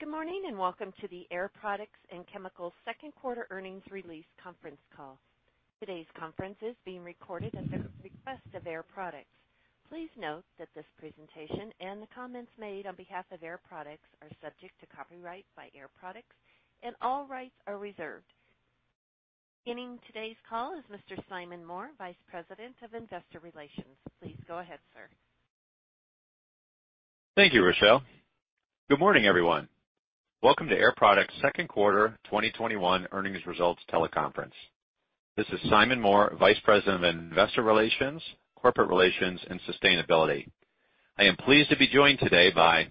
Good morning, and Welcome to the Air Products and Chemicals second quarter earnings release conference call. Today's conference is being recorded at the request of Air Products. Please note that this presentation and the comments made on behalf of Air Products are subject to copyright by Air Products and all rights are reserved. Beginning today's call is Mr. Simon Moore, Vice President of Investor Relations. Please go ahead, sir. Thank you, Rochelle. Good morning, everyone. Welcome to Air Products second quarter 2021 earnings results teleconference. This is Simon Moore, Vice President of Investor Relations, Corporate Relations, and Sustainability. I am pleased to be joined today by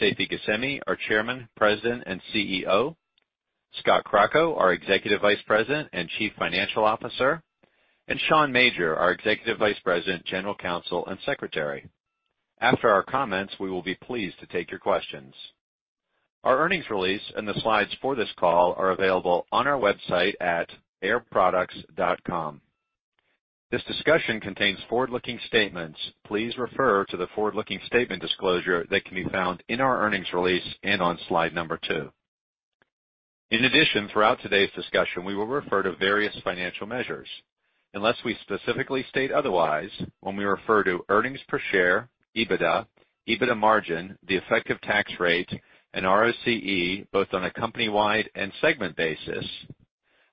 Seifi Ghasemi, our Chairman, President, and CEO, Scott Crocco, our Executive Vice President and Chief Financial Officer, and Sean Major, our Executive Vice President, General Counsel, and Secretary. After our comments, we will be pleased to take your questions. Our earnings release and the slides for this call are available on our website at airproducts.com. This discussion contains forward-looking statements. Please refer to the forward-looking statement disclosure that can be found in our earnings release and on slide number two. In addition, throughout today's discussion, we will refer to various financial measures. Unless we specifically state otherwise, when we refer to earnings per share, EBITDA margin, the effective tax rate, and ROCE, both on a company-wide and segment basis,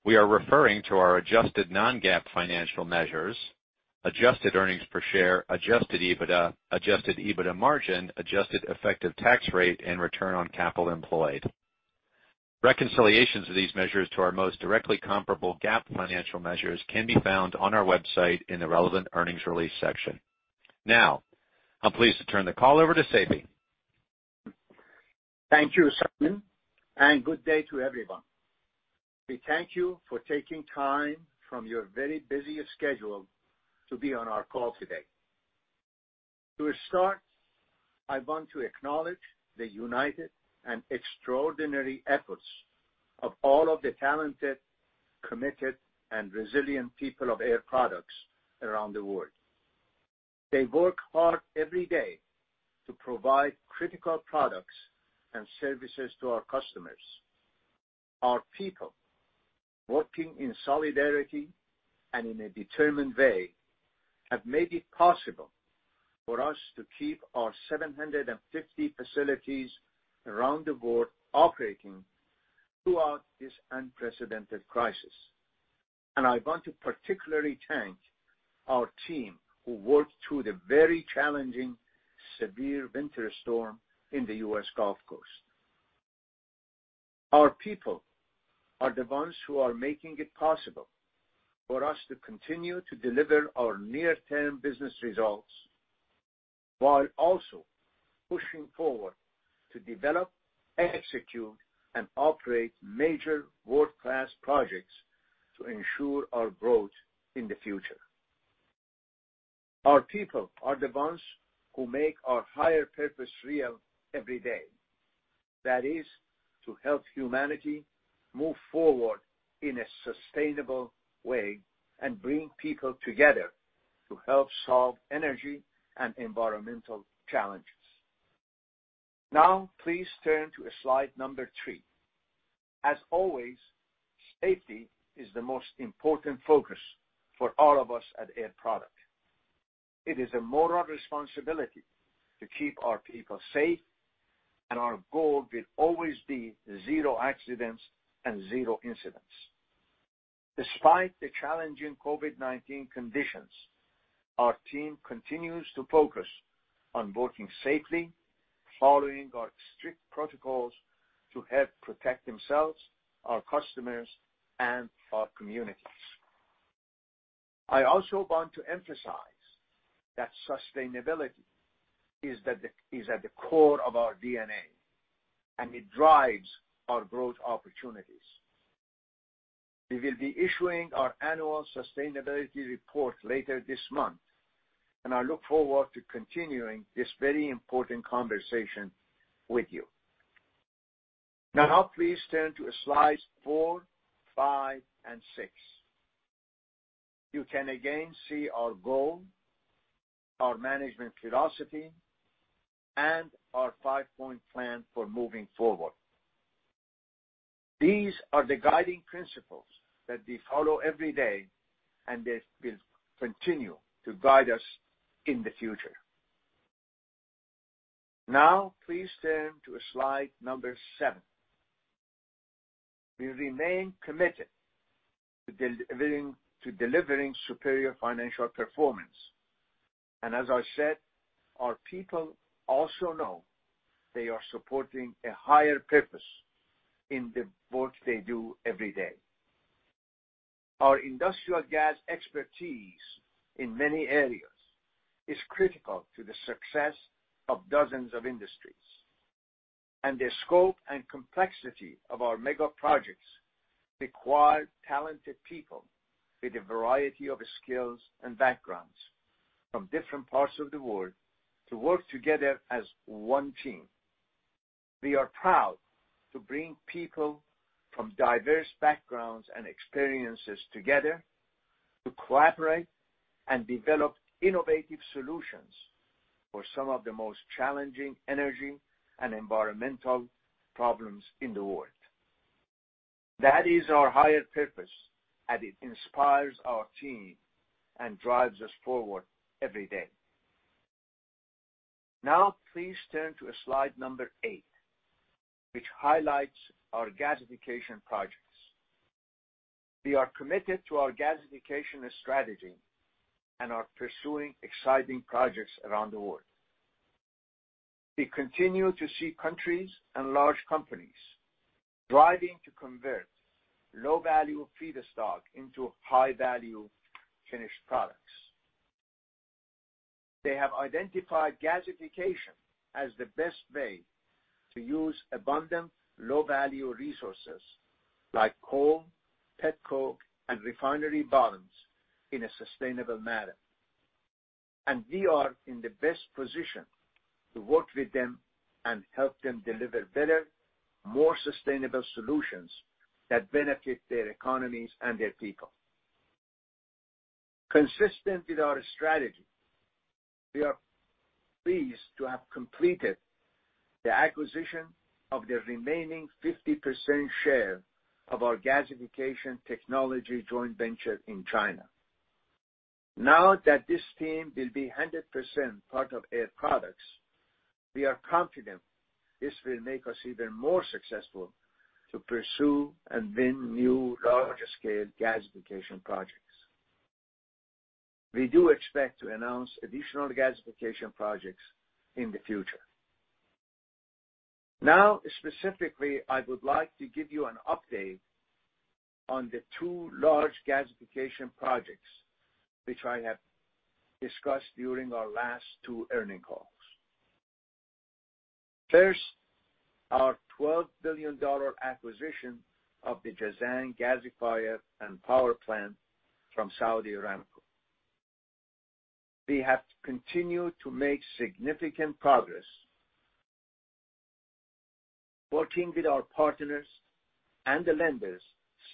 we are referring to our adjusted non-GAAP financial measures, adjusted earnings per share, adjusted EBITDA, adjusted EBITDA margin, adjusted effective tax rate, and return on capital employed. Reconciliations of these measures to our most directly comparable GAAP financial measures can be found on our website in the relevant earnings release section. Now, I'm pleased to turn the call over to Seifi. Thank you, Simon. Good day to everyone. We thank you for taking time from your very busy schedule to be on our call today. To start, I want to acknowledge the united and extraordinary efforts of all of the talented, committed, and resilient people of Air Products around the world. They work hard every day to provide critical products and services to our customers. Our people, working in solidarity and in a determined way, have made it possible for us to keep our 750 facilities around the world operating throughout this unprecedented crisis. I want to particularly thank our team who worked through the very challenging severe winter storm in the U.S. Gulf Coast. Our people are the ones who are making it possible for us to continue to deliver our near-term business results while also pushing forward to develop, execute, and operate major world-class projects to ensure our growth in the future. Our people are the ones who make our higher purpose real every day. That is to help humanity move forward in a sustainable way and bring people together to help solve energy and environmental challenges. Now please turn to slide number three. As always, safety is the most important focus for all of us at Air Products. It is a moral responsibility to keep our people safe, and our goal will always be zero accidents and zero incidents. Despite the challenging COVID-19 conditions, our team continues to focus on working safely, following our strict protocols to help protect themselves, our customers, and our communities. I also want to emphasize that sustainability is at the core of our DNA, and it drives our growth opportunities. We will be issuing our annual sustainability report later this month, I look forward to continuing this very important conversation with you. Now please turn to slides four, five, and six. You can again see our goal, our management philosophy, and our five-point plan for moving forward. These are the guiding principles that we follow every day, They will continue to guide us in the future. Now please turn to slide number seven. We remain committed to delivering superior financial performance. As I said, our people also know they are supporting a higher purpose in the work they do every day. Our industrial gas expertise in many areas is critical to the success of dozens of industries. The scope and complexity of our mega projects require talented people with a variety of skills and backgrounds from different parts of the world to work together as one team. We are proud to bring people from diverse backgrounds and experiences together to collaborate and develop innovative solutions for some of the most challenging energy and environmental problems in the world. That is our higher purpose, and it inspires our team and drives us forward every day. Please turn to slide number eight, which highlights our gasification projects. We are committed to our gasification strategy and are pursuing exciting projects around the world. We continue to see countries and large companies striving to convert low-value feedstock into high-value finished products. They have identified gasification as the best way to use abundant low-value resources like coal, petcoke, and refinery bottoms in a sustainable manner. We are in the best position to work with them and help them deliver better, more sustainable solutions that benefit their economies and their people. Consistent with our strategy, we are pleased to have completed the acquisition of the remaining 50% share of our gasification technology joint venture in China. Now that this team will be 100% part of Air Products, we are confident this will make us even more successful to pursue and win new larger-scale gasification projects. We do expect to announce additional gasification projects in the future. Now, specifically, I would like to give you an update on the two large gasification projects which I have discussed during our last two earnings calls. First, our $12 billion acquisition of the Jazan Gasifier and Power Plant from Saudi Aramco. We have continued to make significant progress working with our partners and the lenders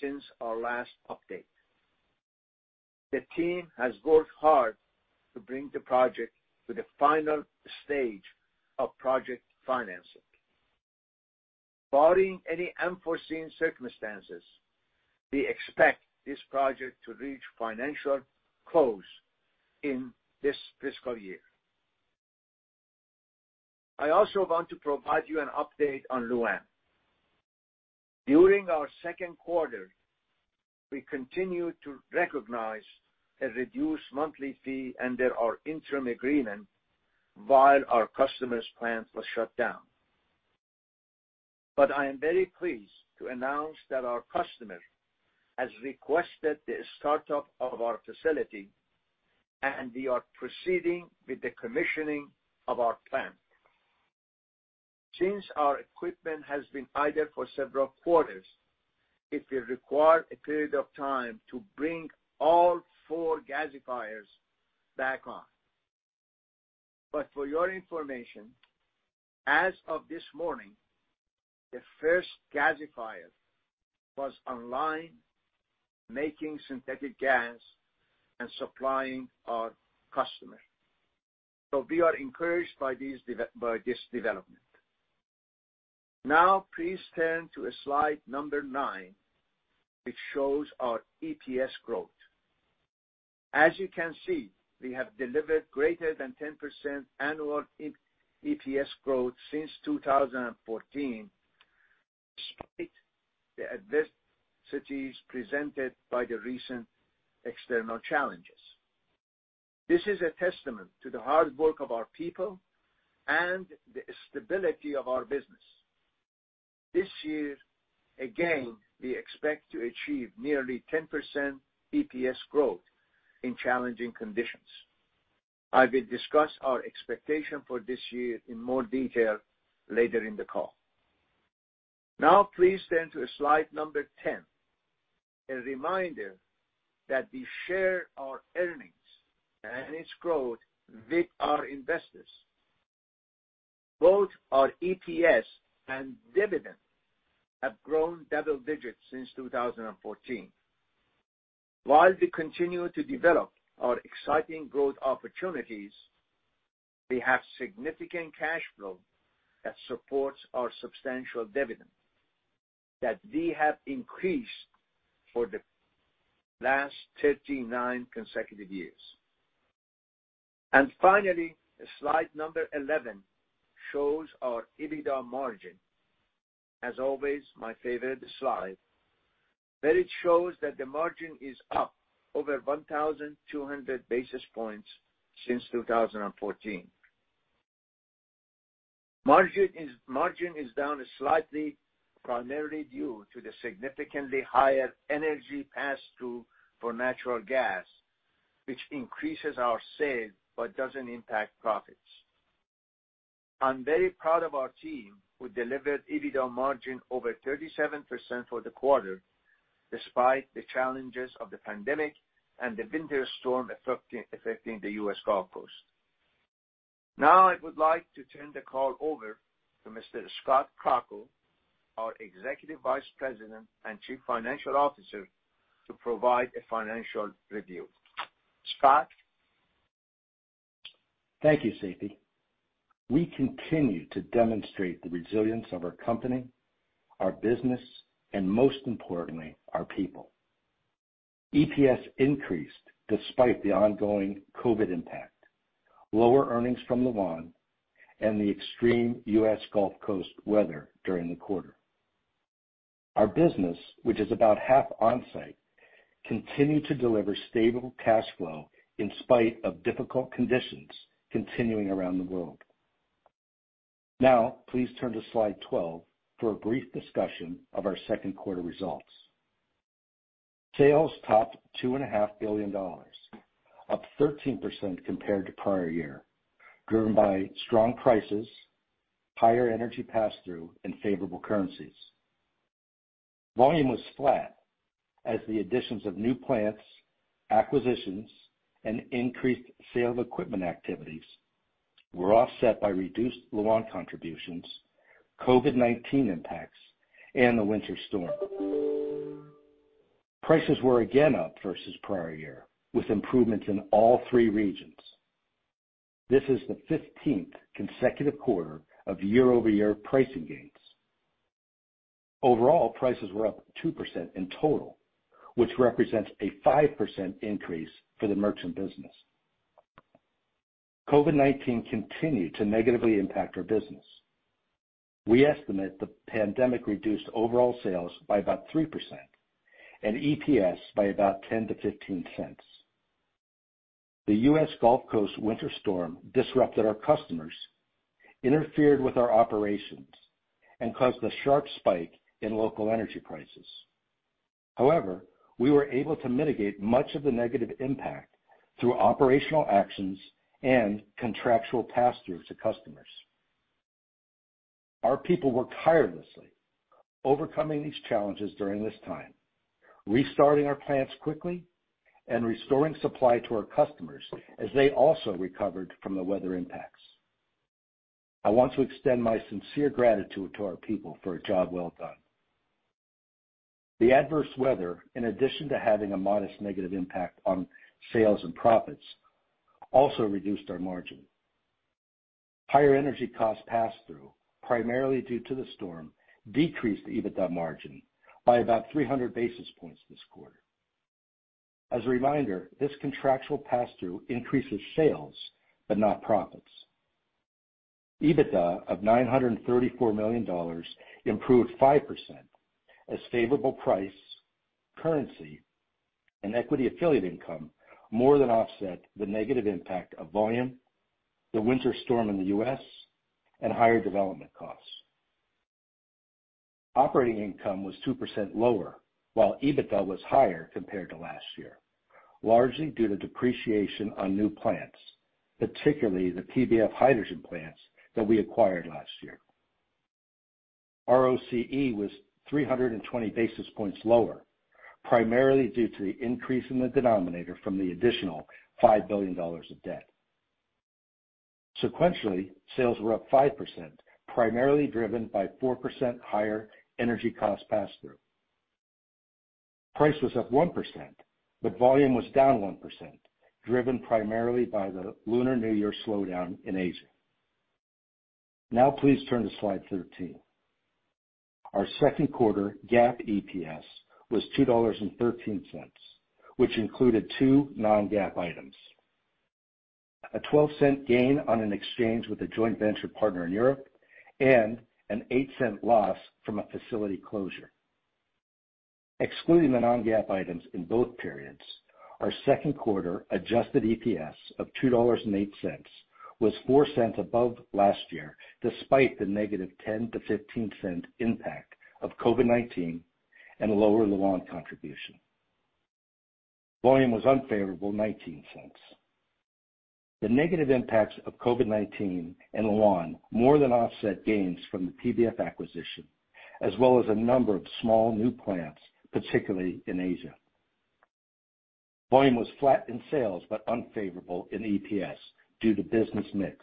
since our last update. The team has worked hard to bring the project to the final stage of project financing. Barring any unforeseen circumstances, we expect this project to reach financial close in this fiscal year. I also want to provide you an update on Lu'an. During our second quarter, we continued to recognize a reduced monthly fee under our interim agreement while our customer's plant was shut down. I am very pleased to announce that our customer has requested the startup of our facility, and we are proceeding with the commissioning of our plant. Since our equipment has been idle for several quarters, it will require a period of time to bring all four gasifiers back on. For your information, as of this morning, the first gasifier was online, making synthetic gas and supplying our customer. We are encouraged by this development. Please turn to slide number nine, which shows our EPS growth. As you can see, we have delivered greater than 10% annual EPS growth since 2014, despite the adversities presented by the recent external challenges. This is a testament to the hard work of our people and the stability of our business. This year, again, we expect to achieve nearly 10% EPS growth in challenging conditions. I will discuss our expectation for this year in more detail later in the call. Please turn to slide number 10, a reminder that we share our earnings and its growth with our investors. Both our EPS and dividend have grown double digits since 2014. While we continue to develop our exciting growth opportunities, we have significant cash flow that supports our substantial dividend that we have increased for the last 39 consecutive years. Finally, slide number 11 shows our EBITDA margin. As always, my favorite slide. It shows that the margin is up over 1,200 basis points since 2014. Margin is down slightly, primarily due to the significantly higher energy pass-through for natural gas, which increases our sales but doesn't impact profits. I'm very proud of our team, who delivered EBITDA margin over 37% for the quarter, despite the challenges of the pandemic and the winter storm affecting the U.S. Gulf Coast. I would like to turn the call over to Mr. Scott Crocco, our Executive Vice President and Chief Financial Officer, to provide a financial review. Scott? Thank you, Seifi. We continue to demonstrate the resilience of our company, our business, and most importantly, our people. EPS increased despite the ongoing COVID-19 impact, lower earnings from the Lu'An, and the extreme U.S. Gulf Coast weather during the quarter. Our business, which is about half on-site, continued to deliver stable cash flow in spite of difficult conditions continuing around the world. Please turn to slide 12 for a brief discussion of our second quarter results. Sales topped $2.5 Billion up 13% compared to prior year, driven by strong prices, higher energy pass-through, and favorable currencies. Volume was flat as the additions of new plants, acquisitions, and increased sale of equipment activities were offset by reduced Lu'An contributions, COVID-19 impacts, and the winter storm. Prices were again up versus prior year, with improvements in all three regions. This is the 15th consecutive quarter of year-over-year pricing gains. Overall, prices were up 2% in total, which represents a 5% increase for the merchant business. COVID-19 continued to negatively impact our business. We estimate the pandemic reduced overall sales by about 3% and EPS by about $0.10-$0.15. The U.S. Gulf Coast winter storm disrupted our customers, interfered with our operations, and caused a sharp spike in local energy prices. However, we were able to mitigate much of the negative impact through operational actions and contractual pass-through to customers. Our people worked tirelessly, overcoming these challenges during this time, restarting our plants quickly and restoring supply to our customers as they also recovered from the weather impacts. I want to extend my sincere gratitude to our people for a job well done. The adverse weather, in addition to having a modest negative impact on sales and profits, also reduced our margin. Higher energy costs pass-through, primarily due to the storm, decreased EBITDA margin by about 300 basis points this quarter. As a reminder, this contractual pass-through increases sales but not profits. EBITDA of $934 million improved 5% as favorable price, currency, and equity affiliate income more than offset the negative impact of volume, the winter storm in the U.S., and higher development costs. Operating income was 2% lower, while EBITDA was higher compared to last year, largely due to depreciation on new plants, particularly the PBF hydrogen plants that we acquired last year. ROCE was 320 basis points lower, primarily due to the increase in the denominator from the additional $5 billion of debt. Sequentially, sales were up 5%, primarily driven by 4% higher energy cost pass-through. Price was up 1%, but volume was down 1%, driven primarily by the Lunar New Year slowdown in Asia. Now please turn to slide 13. Our second quarter GAAP EPS was $2.13, which included two non-GAAP items: a $0.12 gain on an exchange with a joint venture partner in Europe, and a $0.08 loss from a facility closure. Excluding the non-GAAP items in both periods, our second quarter adjusted EPS of $2.08 was $0.04 above last year, despite the negative $0.10-$0.15 impact of COVID-19 and lower Lu'An contribution. Volume was unfavorable $0.19. The negative impacts of COVID-19 and Lu'An more than offset gains from the PBF acquisition, as well as a number of small new plants, particularly in Asia. Volume was flat in sales but unfavorable in EPS due to business mix.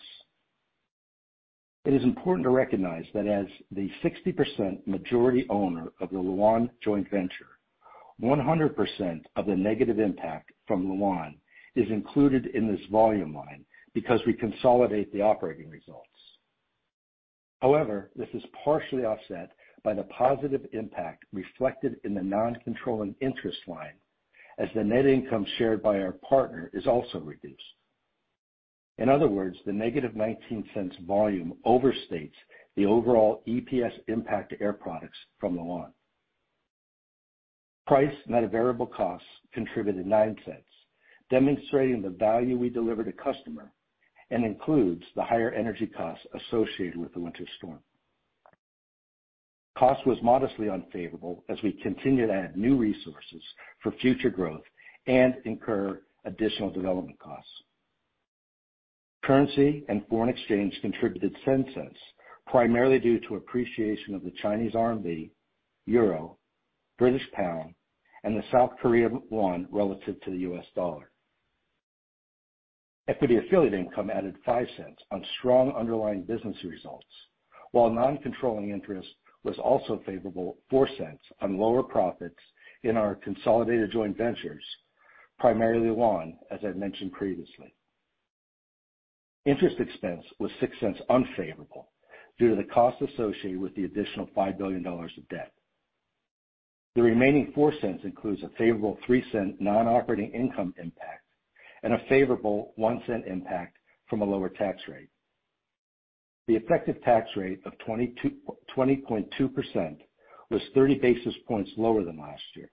It is important to recognize that as the 60% majority owner of the Lu'An joint venture, 100% of the negative impact from Lu'An is included in this volume line because we consolidate the operating results. However, this is partially offset by the positive impact reflected in the non-controlling interest line as the net income shared by our partner is also reduced. In other words, the negative $0.19 volume overstates the overall EPS impact to Air Products from Lu'An. Price net of variable costs contributed $0.09, demonstrating the value we deliver to customer and includes the higher energy costs associated with the winter storm. Cost was modestly unfavorable as we continue to add new resources for future growth and incur additional development costs. Currency and foreign exchange contributed $0.10, primarily due to appreciation of the Chinese RMB, EUR, British pound, and the South Korea won relative to the U.S. dollar. Equity affiliate income added $0.05 on strong underlying business results, while non-controlling interest was also favorable $0.04 on lower profits in our consolidated joint ventures, primarily Lu'An, as I mentioned previously. Interest expense was $0.06 unfavorable due to the cost associated with the additional $5 billion of debt. The remaining $0.04 includes a favorable $0.03 non-operating income impact and a favorable $0.01 impact from a lower tax rate. The effective tax rate of 20.2% was 30 basis points lower than last year.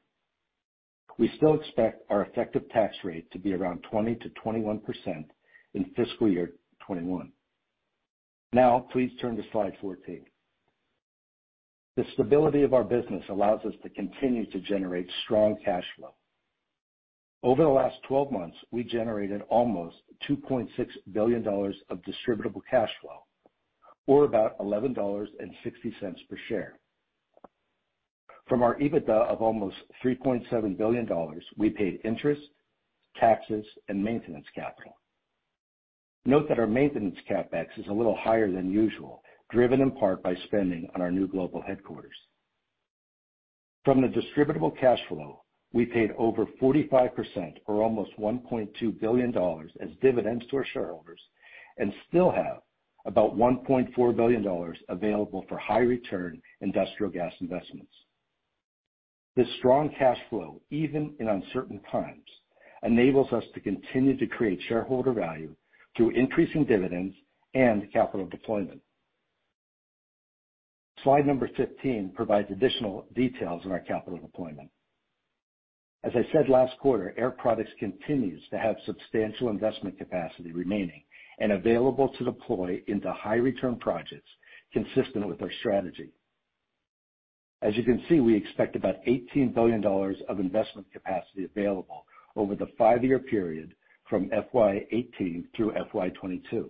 We still expect our effective tax rate to be around 20%-21% in fiscal year 2021. Now please turn to slide 14. The stability of our business allows us to continue to generate strong cash flow. Over the last 12 months, we generated almost $2.6 billion of distributable cash flow or about $11.60 per share. From our EBITDA of almost $3.7 billion, we paid interest, taxes, and maintenance capital. Note that our maintenance CapEx is a little higher than usual, driven in part by spending on our new global headquarters. From the distributable cash flow, we paid over 45% or almost $1.2 billion as dividends to our shareholders and still have about $1.4 billion available for high return industrial gas investments. This strong cash flow, even in uncertain times, enables us to continue to create shareholder value through increasing dividends and capital deployment. Slide number 15 provides additional details on our capital deployment. As I said last quarter, Air Products continues to have substantial investment capacity remaining and available to deploy into high return projects consistent with our strategy. As you can see, we expect about $18 billion of investment capacity available over the five-year period from FY 2018 through FY 2022.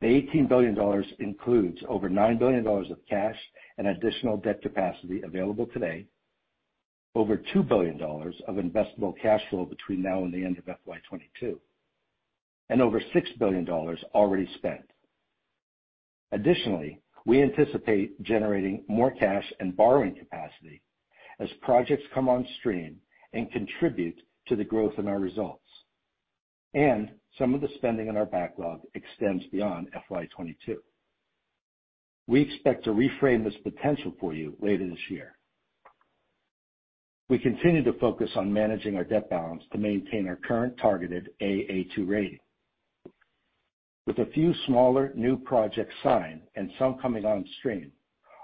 The $18 billion includes over $9 billion of cash and additional debt capacity available today, over $2 billion of investable cash flow between now and the end of FY 2022, and over $6 billion already spent. We anticipate generating more cash and borrowing capacity as projects come on stream and contribute to the growth in our results. Some of the spending in our backlog extends beyond FY 2022. We expect to reframe this potential for you later this year. We continue to focus on managing our debt balance to maintain our current targeted A/A2 rating. With a few smaller new projects signed and some coming on stream,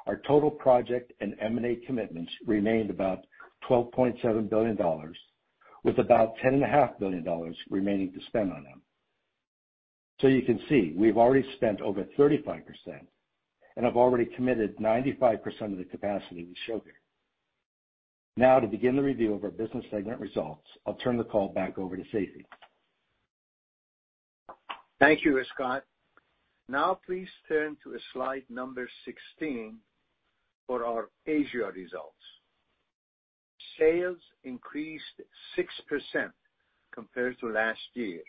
our total project and M&A commitments remained about $12.7 billion, with about $10.5 billion remaining to spend on them. You can see, we've already spent over 35% and have already committed 95% of the capacity we show here. Now to begin the review of our business segment results, I'll turn the call back over to Seifi. Thank you, Scott. Now, please turn to slide number 16 for our Asia results. Sales increased 6% compared to last year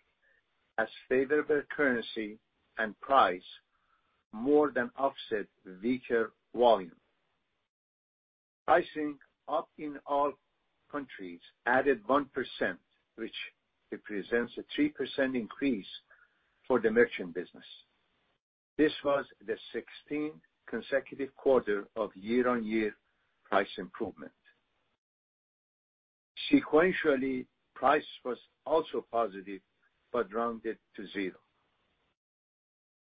as favorable currency and price more than offset weaker volume. Pricing up in all countries added 1%, which represents a 3% increase for the merchant business. This was the 16th consecutive quarter of year-on-year price improvement. Sequentially, price was also positive but rounded to zero.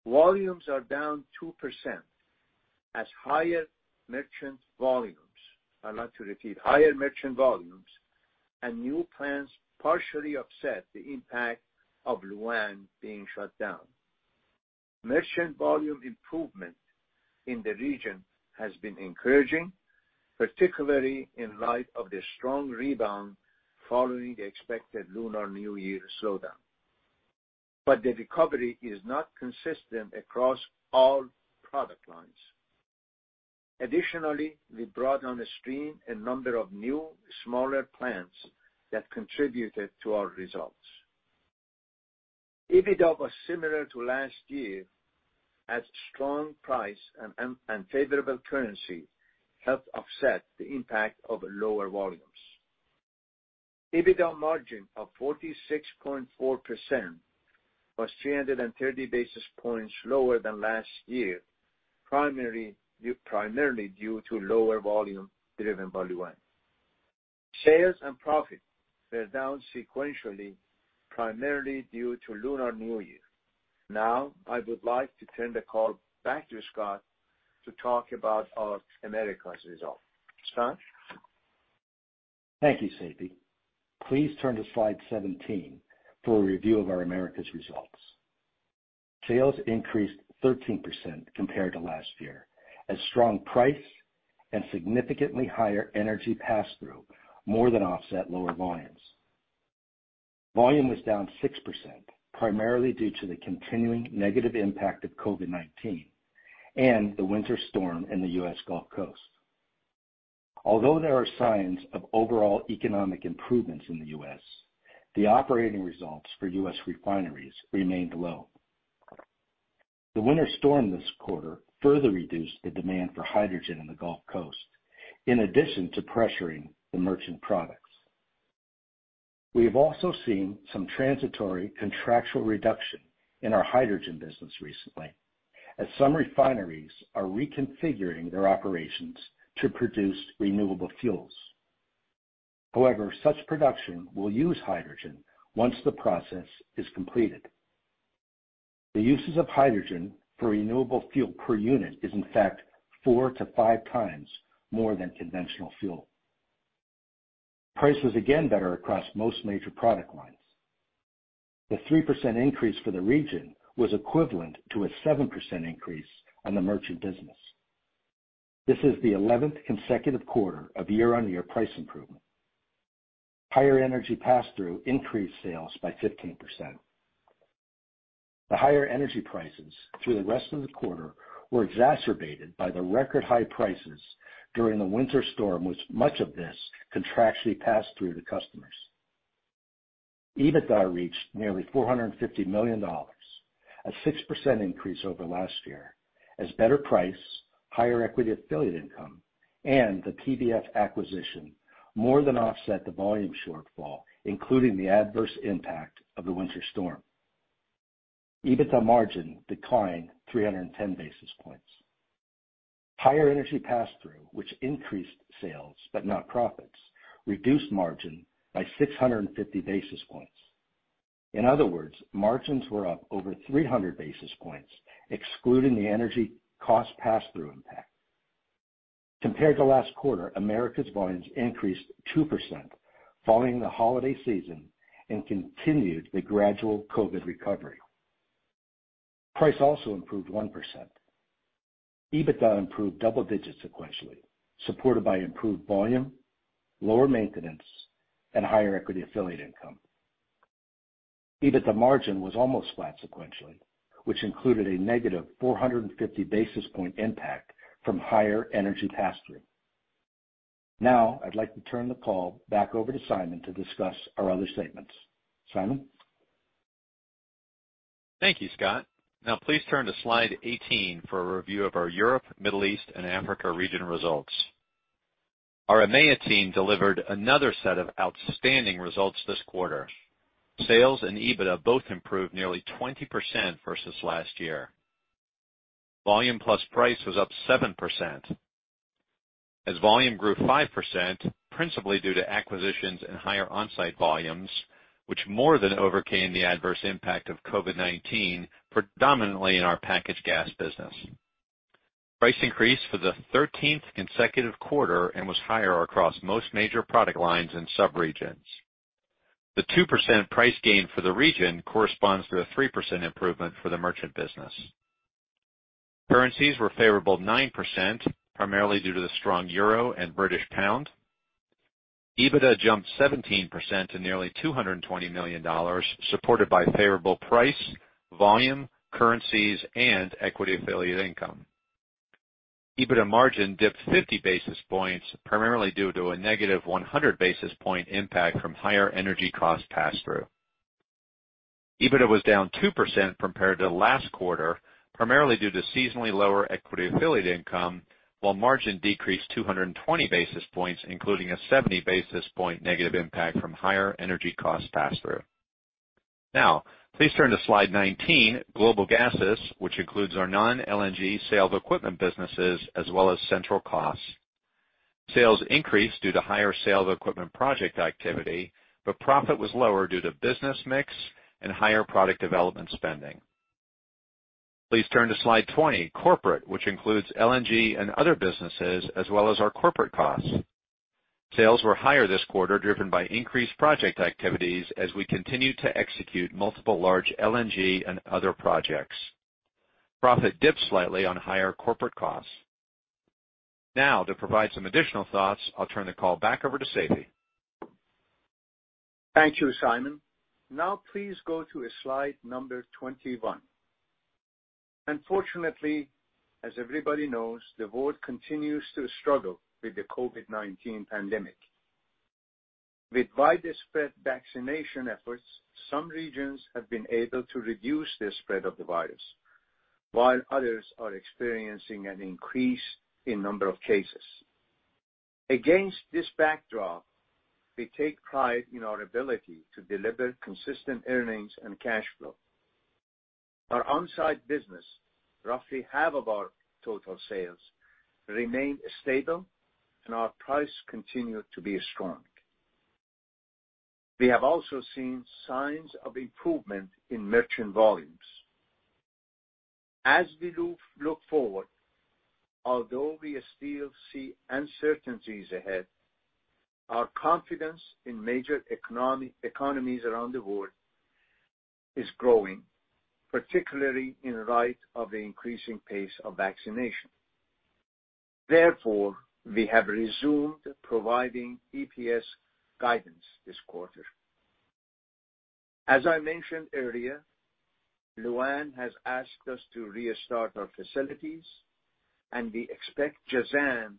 Volumes are down 2% as higher merchant volumes. I'd like to repeat, higher merchant volumes and new plants partially offset the impact of Lu'An being shut down. Merchant volume improvement in the region has been encouraging, particularly in light of the strong rebound following the expected Lunar New Year slowdown. The recovery is not consistent across all product lines. Additionally, we brought onstream a number of new, smaller plants that contributed to our results. EBITDA was similar to last year as strong price and favorable currency helped offset the impact of lower volumes. EBITDA margin of 46.4% was 330 basis points lower than last year, primarily due to lower volume driven by Lu'An. Sales and profit were down sequentially, primarily due to Lunar New Year. I would like to turn the call back to Scott to talk about our Americas result. Scott? Thank you, Seifi. Please turn to slide 17 for a review of our Americas results. Sales increased 13% compared to last year as strong price and significantly higher energy pass-through more than offset lower volumes. Volume was down 6%, primarily due to the continuing negative impact of COVID-19 and the winter storm in the U.S. Gulf Coast. Although there are signs of overall economic improvements in the U.S., the operating results for U.S. refineries remained low. The winter storm this quarter further reduced the demand for hydrogen in the Gulf Coast, in addition to pressuring the merchant products. We have also seen some transitory contractual reduction in our hydrogen business recently, as some refineries are reconfiguring their operations to produce renewable fuels. However, such production will use hydrogen once the process is completed. The uses of hydrogen for renewable fuel per unit is in fact 4x-5x more than conventional fuel. Price was again better across most major product lines. The 3% increase for the region was equivalent to a 7% increase on the merchant business. This is the 11th consecutive quarter of year-on-year price improvement. Higher energy pass-through increased sales by 15%. The higher energy prices through the rest of the quarter were exacerbated by the record high prices during the winter storm, with much of this contractually passed through to customers. EBITDA reached nearly $450 million, a 6% increase over last year, as better price, higher equity affiliate income, and the PBF acquisition more than offset the volume shortfall, including the adverse impact of the winter storm. EBITDA margin declined 310 basis points. Higher energy pass-through, which increased sales but not profits, reduced margin by 650 basis points. In other words, margins were up over 300 basis points, excluding the energy cost pass-through impact. Compared to last quarter, America's volumes increased 2% following the holiday season and continued the gradual COVID-19 recovery. Price also improved 1%. EBITDA improved double digits sequentially, supported by improved volume, lower maintenance, and higher equity affiliate income. EBITDA margin was almost flat sequentially, which included a negative 450 basis point impact from higher energy pass-through. Now, I'd like to turn the call back over to Simon to discuss our other statements. Simon? Thank you, Scott. Now, please turn to slide 18 for a review of our Europe, Middle East, and Africa region results. Our EMEA team delivered another set of outstanding results this quarter. Sales and EBITDA both improved nearly 20% versus last year. Volume plus price was up 7% as volume grew 5%, principally due to acquisitions and higher onsite volumes, which more than overcame the adverse impact of COVID-19, predominantly in our packaged gas business. Price increased for the 13th consecutive quarter and was higher across most major product lines and sub-regions. The 2% price gain for the region corresponds to a 3% improvement for the merchant business. Currencies were favorable 9%, primarily due to the strong euro and British pound. EBITDA jumped 17% to nearly $220 million, supported by favorable price, volume, currencies, and equity affiliate income. EBITDA margin dipped 50 basis points, primarily due to a negative 100 basis point impact from higher energy cost pass-through. EBITDA was down 2% compared to last quarter, primarily due to seasonally lower equity affiliate income, while margin decreased 220 basis points, including a 70 basis point negative impact from higher energy cost pass-through. Now, please turn to slide 19, Global Gases, which includes our non-LNG sale of equipment businesses as well as central costs. Sales increased due to higher sale of equipment project activity, but profit was lower due to business mix and higher product development spending. Please turn to slide 20, Corporate, which includes LNG and other businesses, as well as our corporate costs. Sales were higher this quarter, driven by increased project activities as we continue to execute multiple large LNG and other projects. Profit dipped slightly on higher corporate costs. Now, to provide some additional thoughts, I'll turn the call back over to Seifi. Thank you, Simon. Please go to slide number 21. As everybody knows, the world continues to struggle with the COVID-19 pandemic. With widespread vaccination efforts, some regions have been able to reduce the spread of the virus, while others are experiencing an increase in number of cases. Against this backdrop, we take pride in our ability to deliver consistent earnings and cash flow. Our on-site business, roughly half of our total sales, remain stable and our price continued to be strong. We have also seen signs of improvement in merchant volumes. We look forward, although we still see uncertainties ahead, our confidence in major economies around the world is growing, particularly in light of the increasing pace of vaccination. We have resumed providing EPS guidance this quarter. As I mentioned earlier, Lu'An has asked us to restart our facilities, and we expect Jazan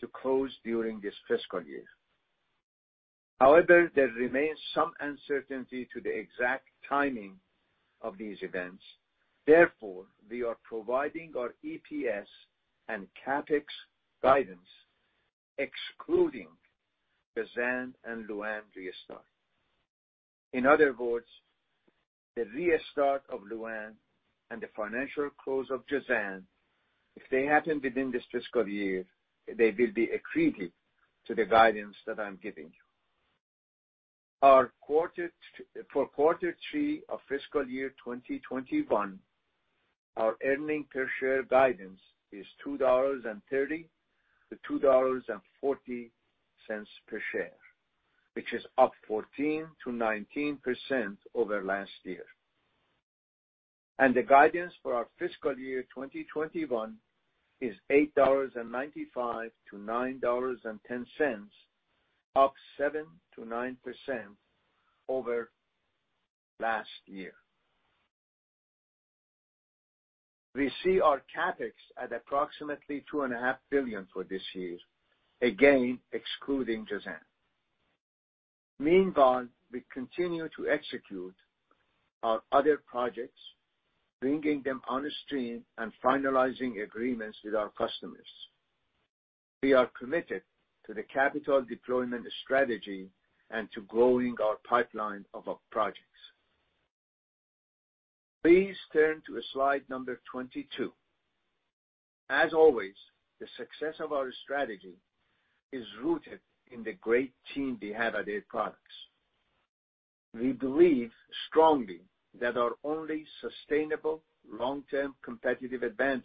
to close during this fiscal year. There remains some uncertainty to the exact timing of these events. We are providing our EPS and CapEx guidance excluding Jazan and Lu'An restart. In other words, the restart of Lu'An and the financial close of Jazan, if they happen within this fiscal year, they will be accreted to the guidance that I'm giving you. For quarter three of FY 2021, our earnings per share guidance is $2.30-$2.40 per share, which is up 14%-19% over last year. The guidance for our FY 2021 is $8.95-$9.10, up 7%-9% over last year. We see our CapEx at approximately $2.5 billion for this year, again, excluding Jazan. Meanwhile, we continue to execute our other projects, bringing them on stream and finalizing agreements with our customers. We are committed to the capital deployment strategy and to growing our pipeline of our projects. Please turn to slide number 22. As always, the success of our strategy is rooted in the great team we have at Air Products. We believe strongly that our only sustainable long-term competitive advantage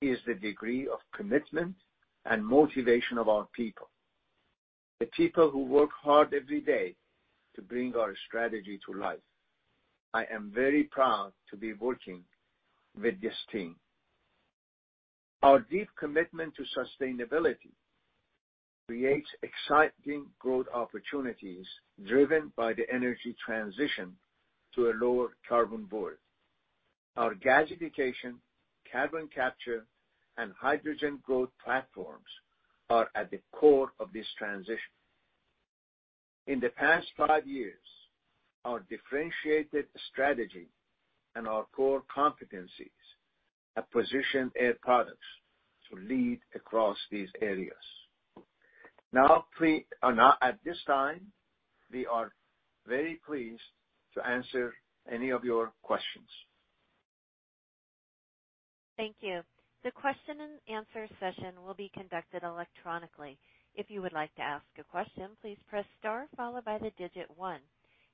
is the degree of commitment and motivation of our people. The people who work hard every day to bring our strategy to life. I am very proud to be working with this team. Our deep commitment to sustainability creates exciting growth opportunities driven by the energy transition to a lower carbon world. Our gasification, carbon capture, and hydrogen growth platforms are at the core of this transition. In the past five years, our differentiated strategy and our core competencies have positioned Air Products to lead across these areas. Now, at this time, we are very pleased to answer any of your questions. Thank you. The question and answer session will be conducted electronically. If you would like to ask a question, please press star followed by the digit one.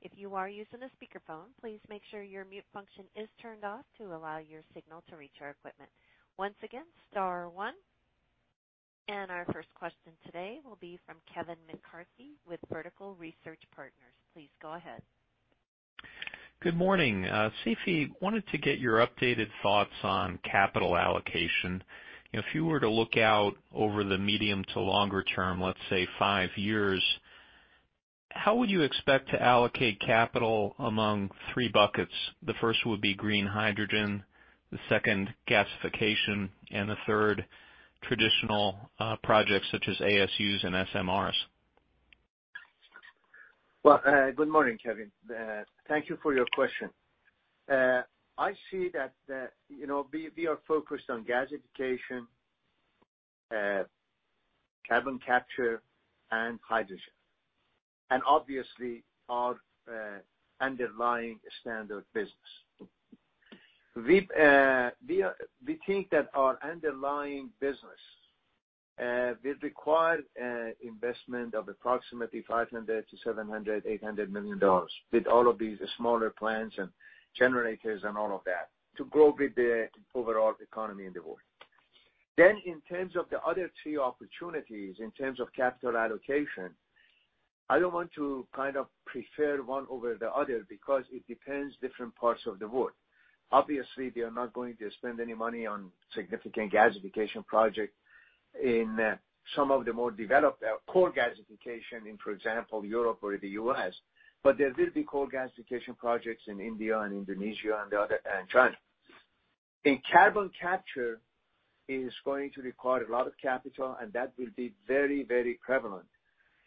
If you are using a speakerphone, please make sure your mute function is turned off to allow your signal to reach our equipment. Once again, star one. Our first question today will be from Kevin McCarthy with Vertical Research Partners. Please go ahead. Good morning. Seifi, wanted to get your updated thoughts on capital allocation. If you were to look out over the medium to longer term, let's say five years, how would you expect to allocate capital among three buckets? The first would be green hydrogen, the second gasification, and the third traditional projects such as ASUs and SMRs. Well, good morning, Kevin. Thank you for your question. I see that, you know, we are focused on gasification, carbon capture and hydrogen, and obviously our underlying standard business. We think that our underlying business will require investment of approximately $500 million-$800 million with all of these smaller plants and generators and all of that to grow with the overall economy in the world. In terms of the other three opportunities, in terms of capital allocation, I don't want to kind of prefer one over the other because it depends different parts of the world. Obviously, we are not going to spend any money on significant gasification project in some of the more developed core gasification in, for example, Europe or the U.S. There will be coal gasification projects in India, Indonesia, and China. Carbon capture is going to require a lot of capital, and that will be very prevalent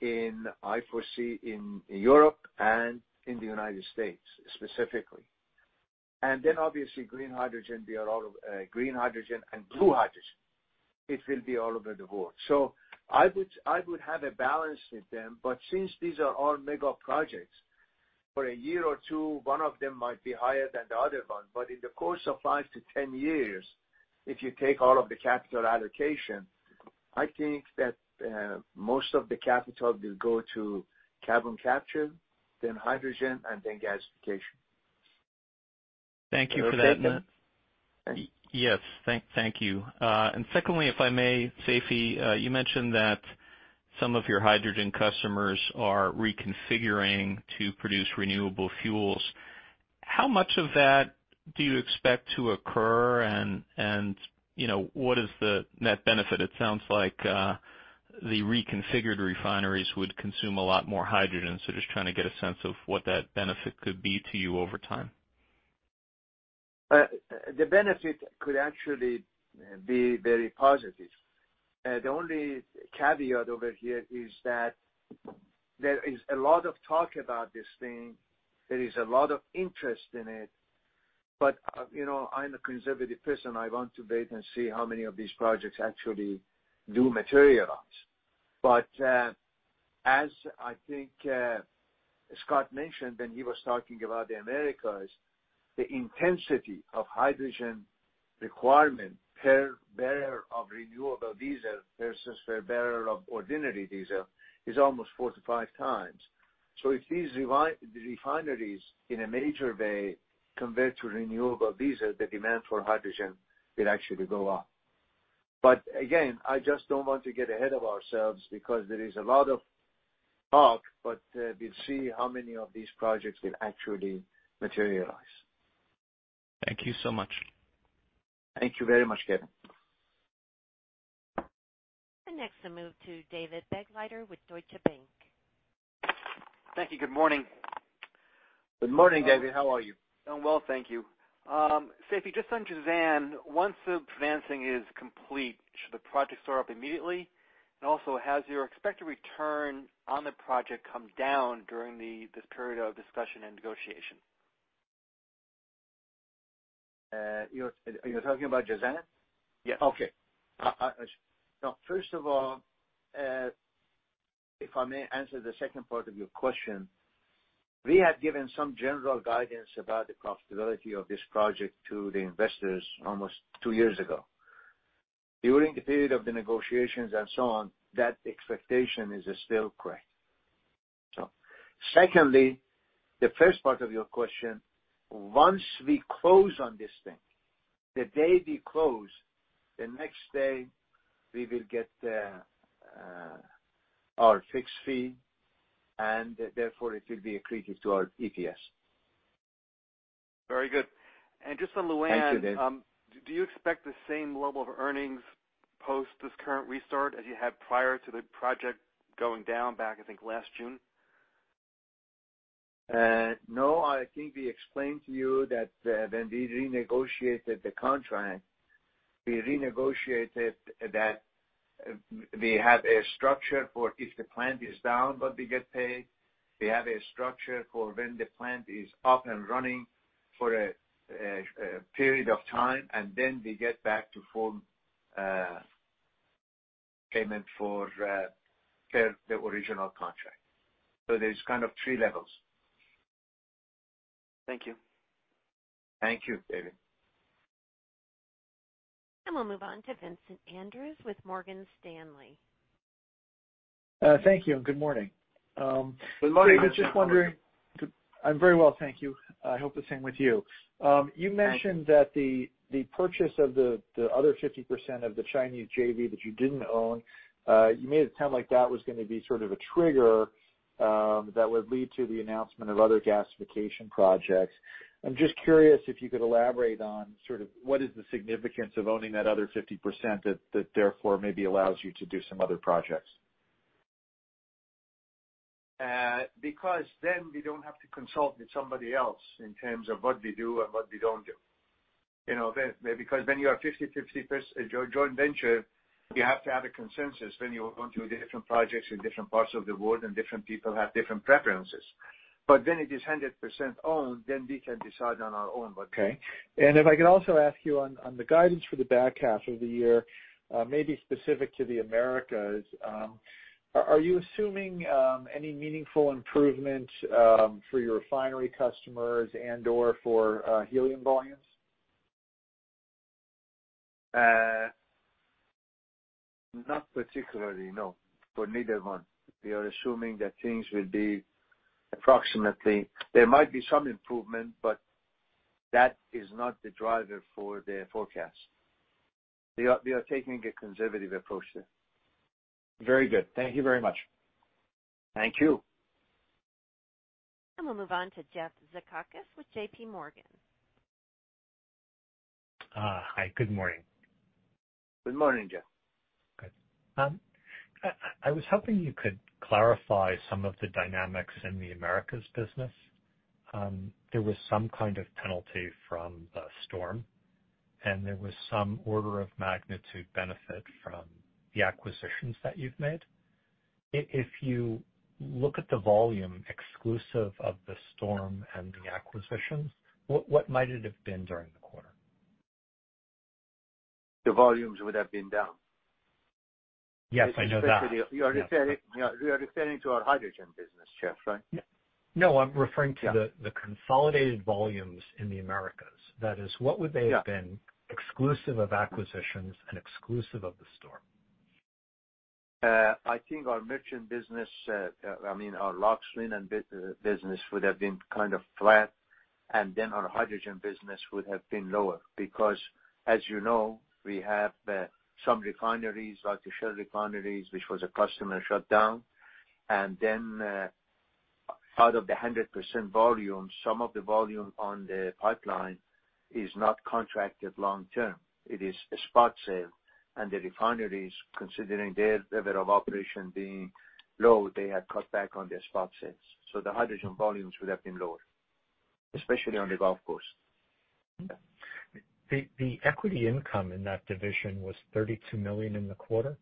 in, I foresee in Europe and in the U.S., specifically. Obviously green hydrogen, green hydrogen and blue hydrogen. It will be all over the world. I would have a balance with them. Since these are all mega projects, for a year or two, one of them might be higher than the other one. In the course of 5-10 years, if you take all of the capital allocation, I think that most of the capital will go to carbon capture, then hydrogen, and then coal gasification. Thank you for that. Is that okay? Yes. Thank you. Secondly, if I may, Seifi, you mentioned that some of your hydrogen customers are reconfiguring to produce renewable fuels. How much of that do you expect to occur? You know, what is the net benefit? It sounds like the reconfigured refineries would consume a lot more hydrogen. Just trying to get a sense of what that benefit could be to you over time. The benefit could actually be very positive. The only caveat over here is that there is a lot of talk about this thing. There is a lot of interest in it, but, you know, I'm a conservative person. I want to wait and see how many of these projects actually do materialize. As I think, Scott mentioned when he was talking about the Americas, the intensity of hydrogen requirement per barrel of renewable diesel versus per barrel of ordinary diesel is almost 4x-5x. So if these refineries in a major way convert to renewable diesel, the demand for hydrogen will actually go up. Again, I just don't want to get ahead of ourselves because there is a lot of talk, but, we'll see how many of these projects will actually materialize. Thank you so much. Thank you very much, Kevin. Next, I move to David Begleiter with Deutsche Bank. Thank you. Good morning. Good morning, David. How are you? I'm well, thank you. Seifi, just on Jazan, once the financing is complete, should the project start up immediately? Also, has your expected return on the project come down during the period of discussion and negotiation? Are you talking about Jazan? Yeah. Okay. First of all, if I may answer the second part of your question. We had given some general guidance about the profitability of this project to the investors almost two years ago. During the period of the negotiations and so on, that expectation is still correct. Secondly, the first part of your question, once we close on this thing, the day we close, the next day, we will get our fixed fee, and therefore it will be accretive to our EPS. Very good. just on Lu'An. Thank you, David. Do you expect the same level of earnings post this current restart as you had prior to the project going down back, I think, last June? No. I think we explained to you that when we renegotiated the contract, we renegotiated that we have a structure for if the plant is down, but we get paid. We have a structure for when the plant is up and running for a period of time, and then we get back to full payment for per the original contract. There's kind of three levels. Thank you. Thank you, David. We'll move on to Vincent Andrews with Morgan Stanley. Thank you, and good morning. Good morning, Vincent, how are you? I was just wondering I'm very well, thank you. I hope the same with you. You mentioned that the purchase of the other 50% of the Chinese JV that you didn't own, you made it sound like that was gonna be sort of a trigger, that would lead to the announcement of other gasification projects. I'm just curious if you could elaborate on sort of what is the significance of owning that other 50% that therefore maybe allows you to do some other projects. Then we don't have to consult with somebody else in terms of what we do and what we don't do. You know, when you have 50/50 joint venture, you have to have a consensus when you want to do different projects in different parts of the world, and different people have different preferences. When it is 100% owned, then we can decide on our own. Okay. If I could also ask you on the guidance for the back half of the year, maybe specific to the Americas, are you assuming any meaningful improvement for your refinery customers and/or for helium volumes? Not particularly, no, for neither one. We are assuming that things will be approximately. There might be some improvement, but that is not the driver for the forecast. We are taking a conservative approach there. Very good. Thank you very much. Thank you. We'll move on to Jeff Zekauskas with JPMorgan. Hi, good morning. Good morning, Jeff. Good. I was hoping you could clarify some of the dynamics in the Americas business. There was some kind of penalty from the storm, and there was some order of magnitude benefit from the acquisitions that you've made. If you look at the volume exclusive of the storm and the acquisitions, what might it have been during the quarter? The volumes would have been down. Yes, I know that. You are referring to our hydrogen business, Jeff, right? No, I'm referring to the consolidated volumes in the Americas. Yeah. That is, what would they have been exclusive of acquisitions and exclusive of the storm? I think our merchant business, I mean, our LOX/LIN and business would have been kind of flat. Our hydrogen business would have been lower because as you know, we have some refineries like the Shell refineries, which was a customer shut down. Out of the 100% volume, some of the volume on the pipeline is not contracted long term. It is a spot sale, and the refineries, considering their level of operation being low, they had cut back on their spot sales. The hydrogen volumes would have been lower, especially on the Gulf Coast. The equity income in that division was $32 million in the quarter,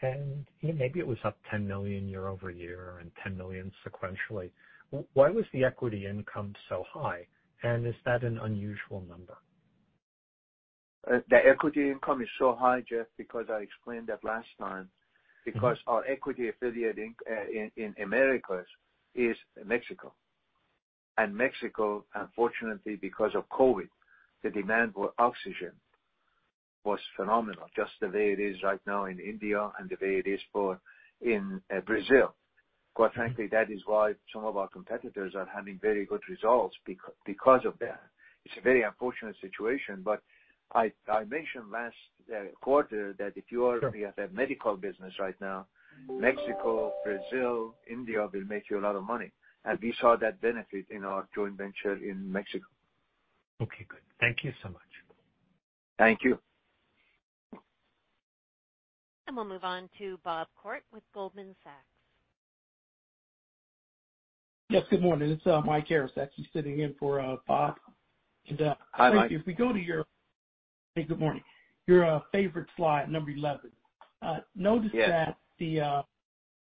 and maybe it was up $10 million year-over-year and $10 million sequentially. Why was the equity income so high, and is that an unusual number? The equity income is so high, Jeff, because I explained that last time, because our equity affiliate in Americas is Mexico. Mexico, unfortunately, because of COVID-19, the demand for oxygen was phenomenal, just the way it is right now in India and the way it is in Brazil. Quite frankly, that is why some of our competitors are having very good results because of that. It's a very unfortunate situation, but I mentioned last quarter that if you are at that medical business right now, Mexico, Brazil, India will make you a lot of money. We saw that benefit in our joint venture in Mexico. Okay, good. Thank you so much. Thank you. We'll move on to Bob Koort with Goldman Sachs. Yes, good morning. It's Mike Harris actually sitting in for Bob. Hi, Mike. Hey, good morning. Your favorite slide, number 11. Yes.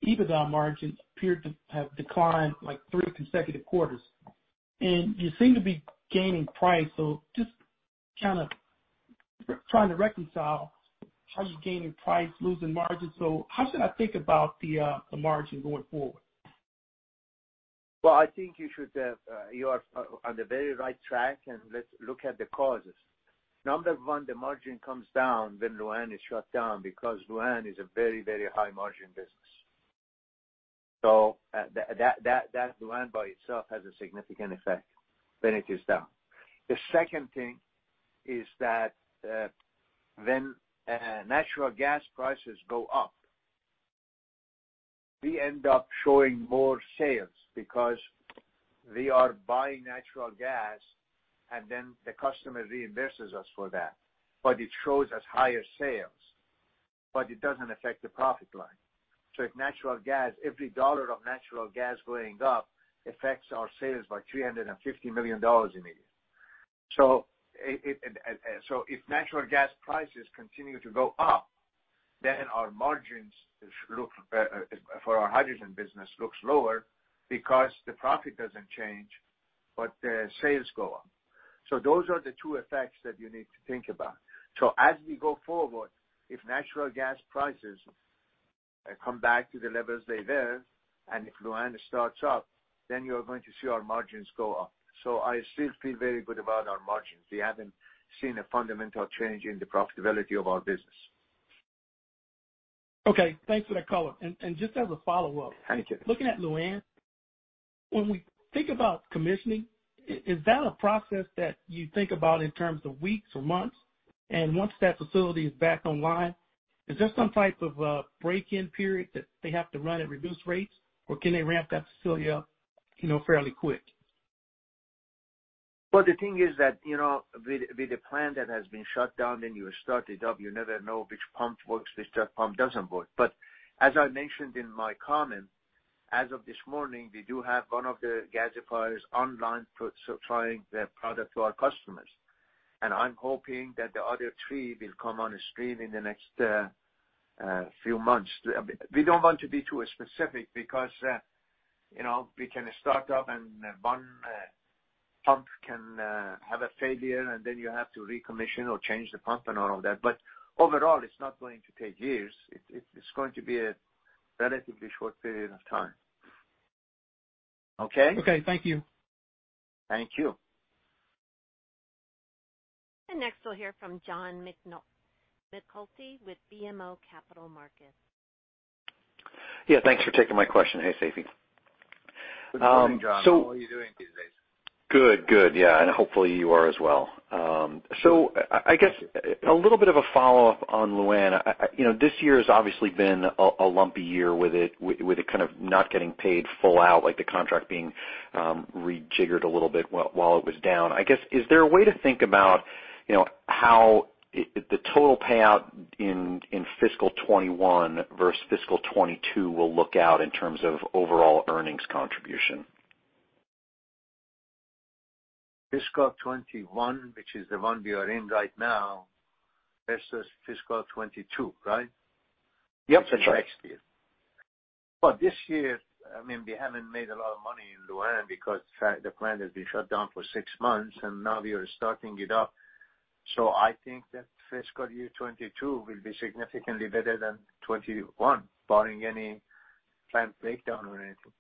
EBITDA margins appeared to have declined like 3 consecutive quarters, and you seem to be gaining price. Just kinda trying to reconcile how you're gaining price, losing margins. How should I think about the margin going forward? Well, I think you should, you are on the very right track. Let's look at the causes. Number one, the margin comes down when Lu'An is shut down because Lu'An is a very, very high margin business. That Lu'An by itself has a significant effect when it is down. The second thing is that when natural gas prices go up, we end up showing more sales because we are buying natural gas. The customer reimburses us for that. It shows as higher sales. It doesn't affect the profit line. If natural gas, every $1 of natural gas going up affects our sales by $350 million a year. If natural gas prices continue to go up, then our margins look for our hydrogen business looks lower because the profit doesn't change, but the sales go up. Those are the two effects that you need to think about. As we go forward, if natural gas prices come back to the levels they were, and if Lu'An starts up, then you are going to see our margins go up. I still feel very good about our margins. We haven't seen a fundamental change in the profitability of our business. Okay. Thanks for that color. Just as a follow-up. Thank you. Looking at Lu'An, when we think about commissioning, is that a process that you think about in terms of weeks or months? Once that facility is back online, is there some type of a break-in period that they have to run at reduced rates, or can they ramp that facility up, you know, fairly quick? Well, the thing is that, you know, with a plant that has been shut down, you start it up, you never know which pump works, which pump doesn't work. As I mentioned in my comment, as of this morning, we do have one of the gasifiers online supplying the product to our customers. I'm hoping that the other three will come on stream in the next few months. We don't want to be too specific because, you know, we can start up and one pump can have a failure, then you have to recommission or change the pump and all of that. Overall, it's not going to take years. It's going to be a relatively short period of time. Okay? Okay. Thank you. Thank you. Next, we'll hear from John McNulty with BMO Capital Markets. Yeah, thanks for taking my question. Hey, Seifi. Good morning, John. How are you doing these days? Good, good. Yeah. Hopefully you are as well. I guess a little bit of a follow-up on Lu'An. You know, this year has obviously been a lumpy year with it, with it kind of not getting paid full out, like the contract being rejiggered a little bit while it was down. I guess, is there a way to think about, you know, how the total payout in fiscal 2021 versus fiscal 2022 will look out in terms of overall earnings contribution? Fiscal 2021, which is the one we are in right now, versus fiscal 2022, right? Yep, that's right. Next year. This year, I mean, we haven't made a lot of money in Lu'An because the plant has been shut down for six months, and now we are starting it up. I think that fiscal year 2022 will be significantly better than 2021, barring any plant breakdown or anything.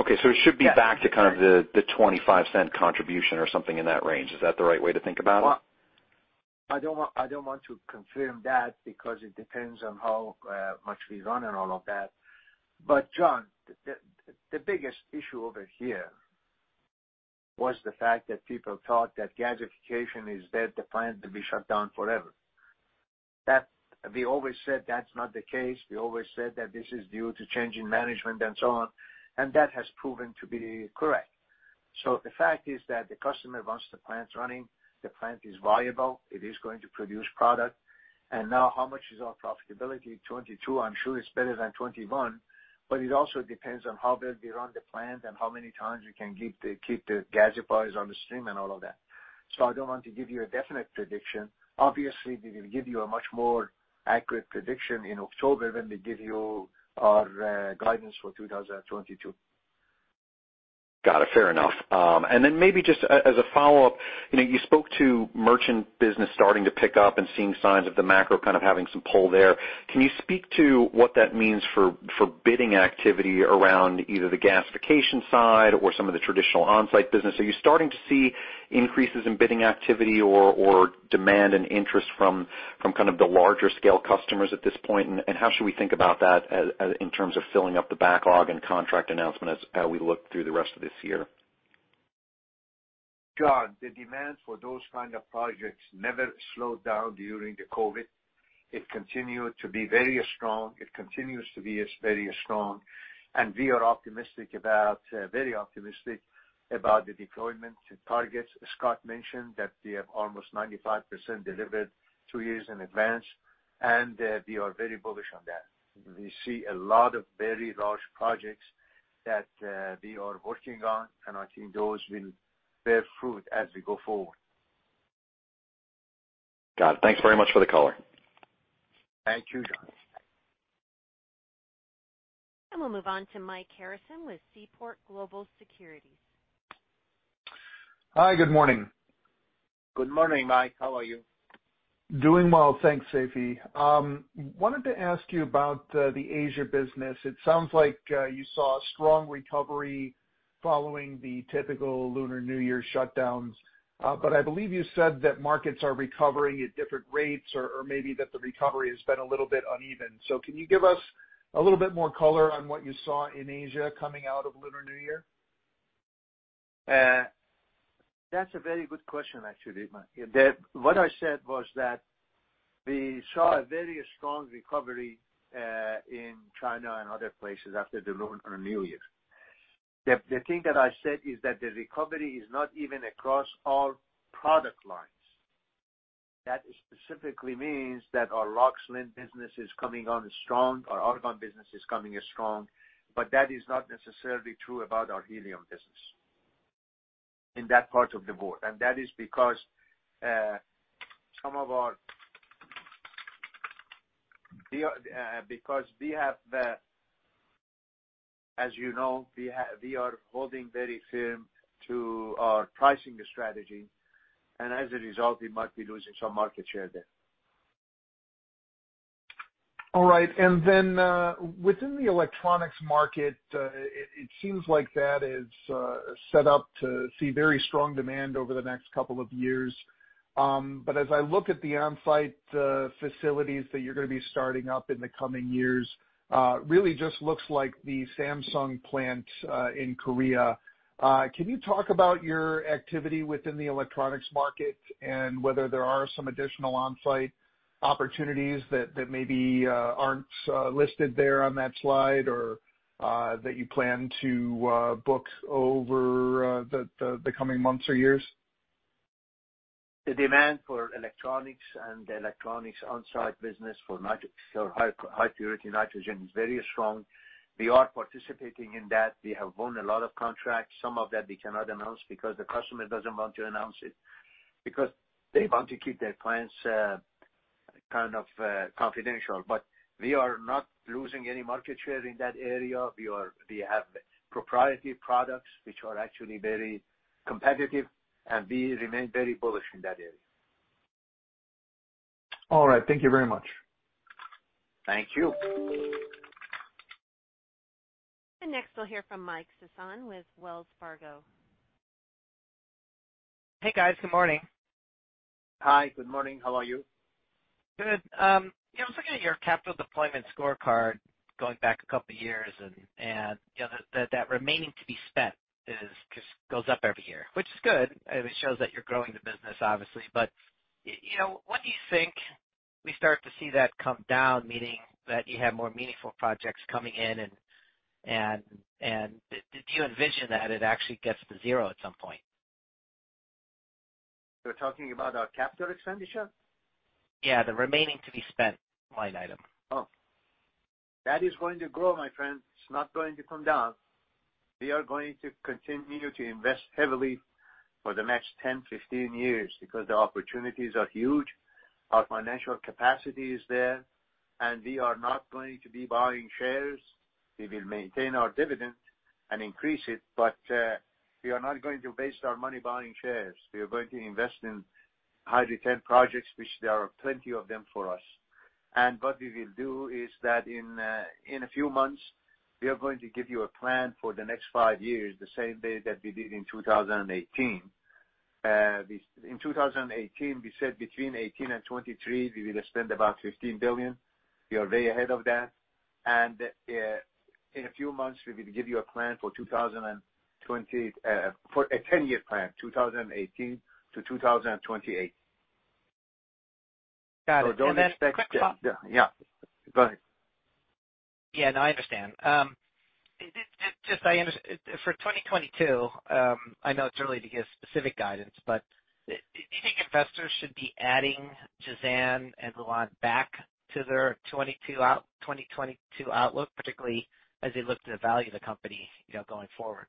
Okay. It should be back to kind of the $0.25 contribution or something in that range. Is that the right way to think about it? Well, I don't want to confirm that because it depends on how much we run and all of that. John, the biggest issue over here was the fact that people thought that gasification is dead, the plant will be shut down forever. We always said that's not the case. We always said that this is due to change in management and so on, and that has proven to be correct. The fact is that the customer wants the plant running, the plant is viable, it is going to produce product. Now how much is our profitability? 22, I'm sure it's better than 21, but it also depends on how well we run the plant and how many times we can keep the gasifiers on the stream and all of that. I don't want to give you a definite prediction. Obviously, we will give you a much more accurate prediction in October when we give you our guidance for 2022. Got it. Fair enough. Then maybe just as a follow-up, you know, you spoke to merchant business starting to pick up and seeing signs of the macro kind of having some pull there. Can you speak to what that means for bidding activity around either the gasification side or some of the traditional on-site business? Are you starting to see increases in bidding activity or demand and interest from kind of the larger scale customers at this point? How should we think about that as in terms of filling up the backlog and contract announcement as we look through the rest of this year? John, the demand for those kind of projects never slowed down during the COVID. It continued to be very strong. It continues to be, it's very strong. We are optimistic about very optimistic about the deployment targets. Scott mentioned that we have almost 95% delivered two years in advance, we are very bullish on that. We see a lot of very large projects that we are working on, I think those will bear fruit as we go forward. Got it. Thanks very much for the color. Thank you, John. We'll move on to Mike Harrison with Seaport Global Securities. Hi, good morning. Good morning, Mike. How are you? Doing well, thanks, Seifi Ghasemi. Wanted to ask you about the Asia business. It sounds like you saw a strong recovery following the typical Lunar New Year shutdowns. I believe you said that markets are recovering at different rates or maybe that the recovery has been a little bit uneven. Can you give us a little bit more color on what you saw in Asia coming out of Lunar New Year? That's a very good question, actually, Mike. What I said was that we saw a very strong recovery in China and other places after the Lunar New Year. The thing that I said is that the recovery is not even across all product lines. That specifically means that our LOX/LIN business is coming on strong, our argon business is coming strong, but that is not necessarily true about our helium business in that part of the world. That is because we have the, as you know, we are holding very firm to our pricing strategy, and as a result, we might be losing some market share there. All right. Within the electronics market, it seems like that is set up to see very strong demand over the next two years. As I look at the on-site facilities that you're gonna be starting up in the coming years, really just looks like the Samsung plant in Korea. Can you talk about your activity within the electronics market and whether there are some additional on-site opportunities that maybe aren't listed there on that slide or that you plan to book over the coming months or years? The demand for electronics and the electronics on-site business for high purity nitrogen is very strong. We are participating in that. We have won a lot of contracts. Some of that we cannot announce because the customer doesn't want to announce it because they want to keep their plans kind of confidential. We are not losing any market share in that area. We have proprietary products which are actually very competitive, and we remain very bullish in that area. All right. Thank you very much. Thank you. Next, we'll hear from Mike Sison with Wells Fargo. Hey, guys. Good morning. Hi, good morning. How are you? Good. You know, looking at your capital deployment scorecard going back a couple of years and, you know, that remaining to be spent is just goes up every year, which is good. It shows that you're growing the business, obviously. You know, when do you think we start to see that come down, meaning that you have more meaningful projects coming in and did you envision that it actually gets to zero at some point? You're talking about our capital expenditure? Yeah, the remaining to be spent line item. Oh. That is going to grow, my friend. It is not going to come down. We are going to continue to invest heavily for the next 10, 15 years because the opportunities are huge, our financial capacity is there. We are not going to be buying shares. We will maintain our dividend and increase it, but we are not going to waste our money buying shares. We are going to invest in high return projects, which there are plenty of them for us. What we will do is that in a few months, we are going to give you a plan for the next five years, the same day that we did in 2018. In 2018, we said between 2018 and 2023, we will spend about $15 billion. We are way ahead of that. In a few months, we will give you a plan for 2020. For a 10-year plan, 2018 to 2028. Got it. A quick follow-up. Don't expect Yeah, yeah. Go ahead. Yeah, no, I understand. It just For 2022, I know it's early to give specific guidance, but do you think investors should be adding Jazan and Lu'An back to their 2022 outlook, particularly as they look to value the company, you know, going forward?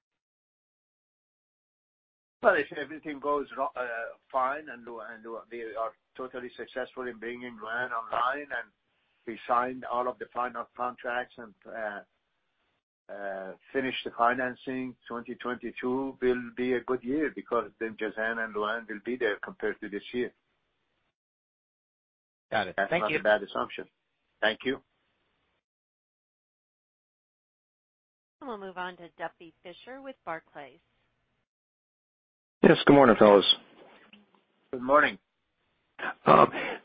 If everything goes fine and we are totally successful in bringing Lu'an online, and we sign all of the final contracts and finish the financing, 2022 will be a good year because then Jazan and Lu'an will be there compared to this year. Got it. Thank you. That's not a bad assumption. Thank you. We'll move on to Duffy Fischer with Barclays. Yes, good morning, fellas. Good morning.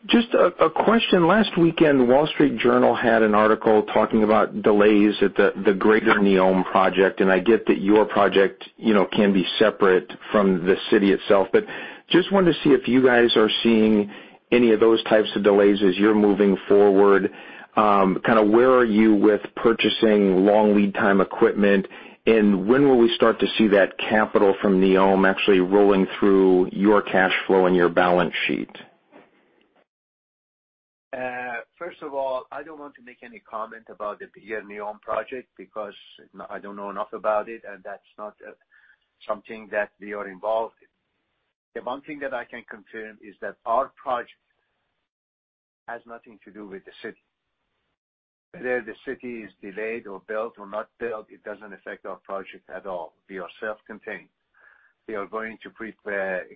Just a question. Last weekend, The Wall Street Journal had an article talking about delays at the greater NEOM project, and I get that your project, you know, can be separate from the city itself. Just wanted to see if you guys are seeing any of those types of delays as you're moving forward. Kind of where are you with purchasing long lead time equipment? When will we start to see that capital from NEOM actually rolling through your cash flow and your balance sheet? First of all, I don't want to make any comment about the bigger NEOM project because I don't know enough about it, and that's not something that we are involved in. The one thing that I can confirm is that our project has nothing to do with the city. Whether the city is delayed or built or not built, it doesn't affect our project at all. We are self-contained. We are going to prepare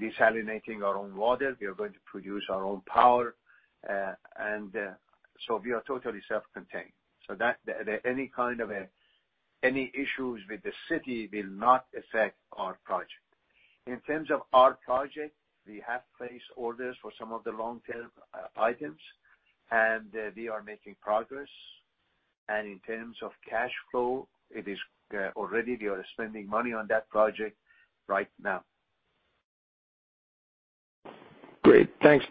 desalinating our own water. We are going to produce our own power. We are totally self-contained. So that any issues with the city will not affect our project. In terms of our project, we have placed orders for some of the long-term items, and we are making progress. In terms of cash flow, it is, already we are spending money on that project right now. Great. Thanks.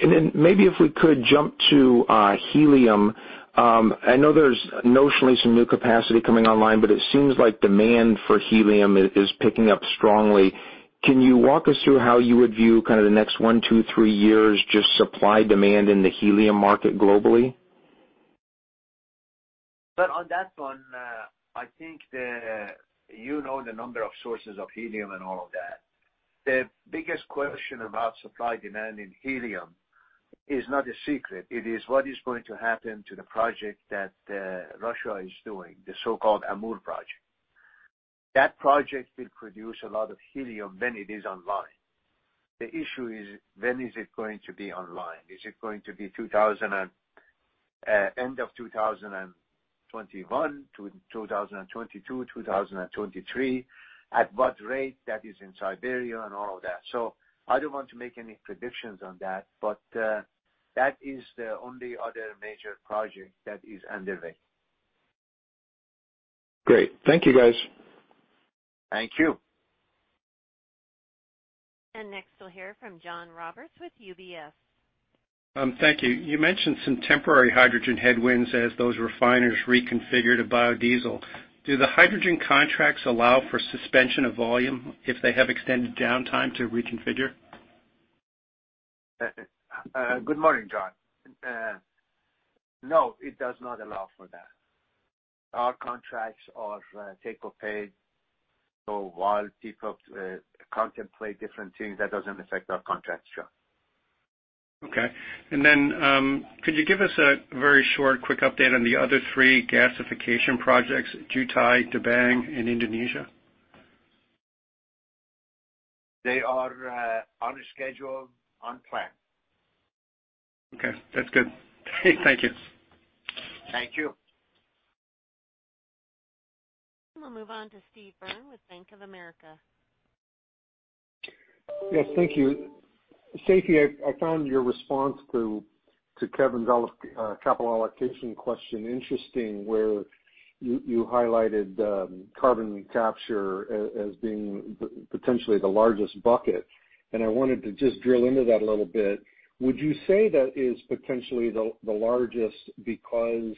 Then maybe if we could jump to helium. I know there's notionally some new capacity coming online, but it seems like demand for helium is picking up strongly. Can you walk us through how you would view kind of the next one, two, three years, just supply demand in the helium market globally? On that one, I think the You know the number of sources of helium and all of that. The biggest question about supply demand in helium is not a secret. It is what is going to happen to the project that Russia is doing, the so-called Amur project. That project will produce a lot of helium when it is online. The issue is when is it going to be online? Is it going to be end of 2021 to 2022, 2023? At what rate? That is in Siberia and all of that. I don't want to make any predictions on that, but, that is the only other major project that is underway. Great. Thank you, guys. Thank you. Next, we'll hear from John Roberts with UBS. Thank you. You mentioned some temporary hydrogen headwinds as those refiners reconfigured to biodiesel. Do the hydrogen contracts allow for suspension of volume if they have extended downtime to reconfigure? Good morning, John. No, it does not allow for that. Our contracts are take or pay. While people contemplate different things, that doesn't affect our contracts, John. Okay. Could you give us a very short quick update on the other three gasification projects, Jubail, Debang, and Indonesia? They are, on schedule, on plan. Okay, that's good. Thank you. Thank you. We'll move on to Steve Byrne with Bank of America. Yes, thank you. Seifi, I found your response to Kevin's capital allocation question interesting, where you highlighted carbon capture as being the, potentially the largest bucket, and I wanted to just drill into that a little bit. Would you say that is potentially the largest because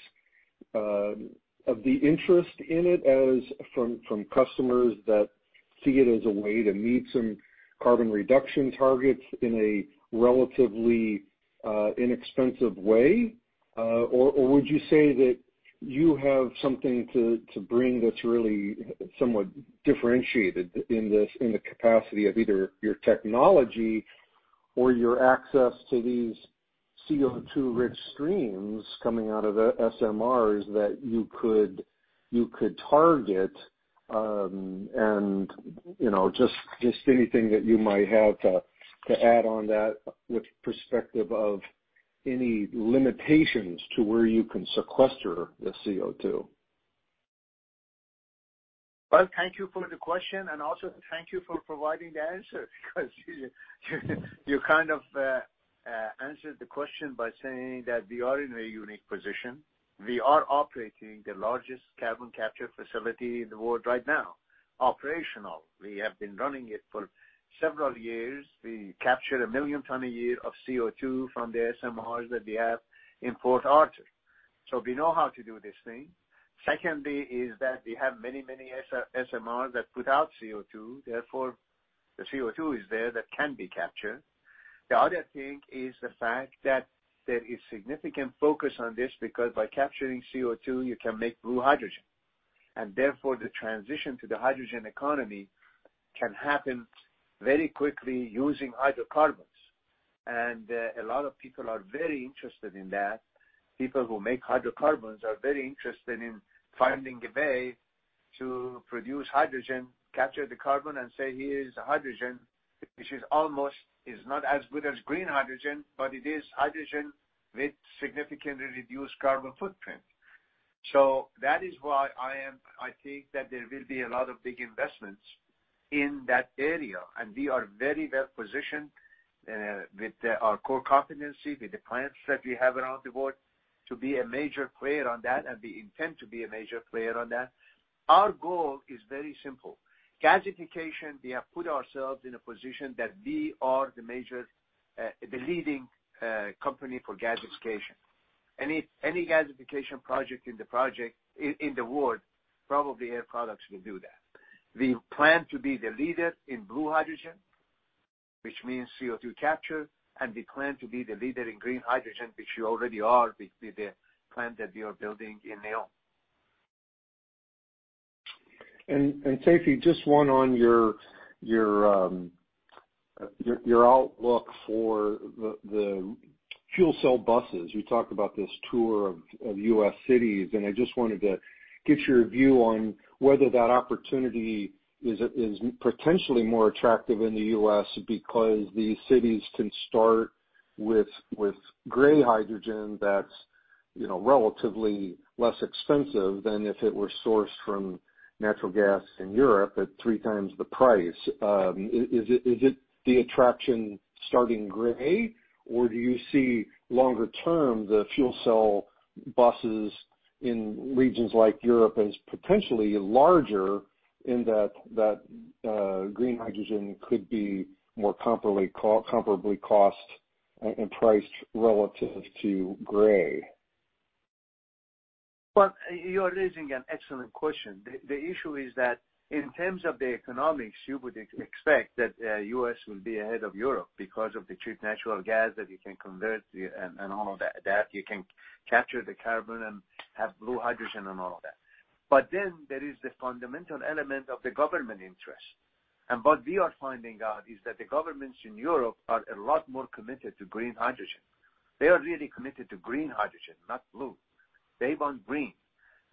of the interest in it as from customers that see it as a way to meet some carbon reduction targets in a relatively inexpensive way? Would you say that you have something to bring that's really somewhat differentiated in this, in the capacity of either your technology or your access to these CO2-rich streams coming out of the SMRs that you could target, and, you know, just anything that you might have to add on that with perspective of any limitations to where you can sequester the CO2? Well, thank you for the question, and also thank you for providing the answer because you kind of answered the question by saying that we are in a unique position. We are operating the largest carbon capture facility in the world right now, operational. We have been running it for several years. We capture 1 million tons a year of CO2 from the SMRs that we have in Port Arthur. We know how to do this thing. Secondly is that we have many SMRs that put out CO2, therefore, the CO2 is there that can be captured. The other thing is the fact that there is significant focus on this because by capturing CO2, you can make blue hydrogen. Therefore, the transition to the hydrogen economy can happen very quickly using hydrocarbons. A lot of people are very interested in that. People who make hydrocarbons are very interested in finding a way to produce hydrogen, capture the carbon and say, "Here is hydrogen," which is almost, is not as good as green hydrogen, but it is hydrogen with significantly reduced carbon footprint. That is why I think that there will be a lot of big investments in that area. We are very well positioned with our core competency, with the clients that we have around the world, to be a major player on that, and we intend to be a major player on that. Our goal is very simple. Gasification, we have put ourselves in a position that we are the major, the leading company for gasification. Any gasification project in the world, probably Air Products will do that. We plan to be the leader in blue hydrogen, which means CO2 capture, and we plan to be the leader in green hydrogen, which we already are with the plant that we are building in NEOM. Seifi, just one on your outlook for the fuel cell buses. You talked about this tour of U.S. cities, and I just wanted to get your view on whether that opportunity is potentially more attractive in the U.S. because these cities can start with gray hydrogen that's, you know, relatively less expensive than if it were sourced from natural gas in Europe at 3x the price. Is it the attraction starting gray, or do you see longer term, the fuel cell buses in regions like Europe as potentially larger in that green hydrogen could be more comparably cost and priced relative to gray? Well, you are raising an excellent question. The issue is that in terms of the economics, you would expect that U.S. will be ahead of Europe because of the cheap natural gas that you can convert and all of that you can capture the carbon and have blue hydrogen and all of that. There is the fundamental element of the government interest. What we are finding out is that the governments in Europe are a lot more committed to green hydrogen. They are really committed to green hydrogen, not blue. They want green.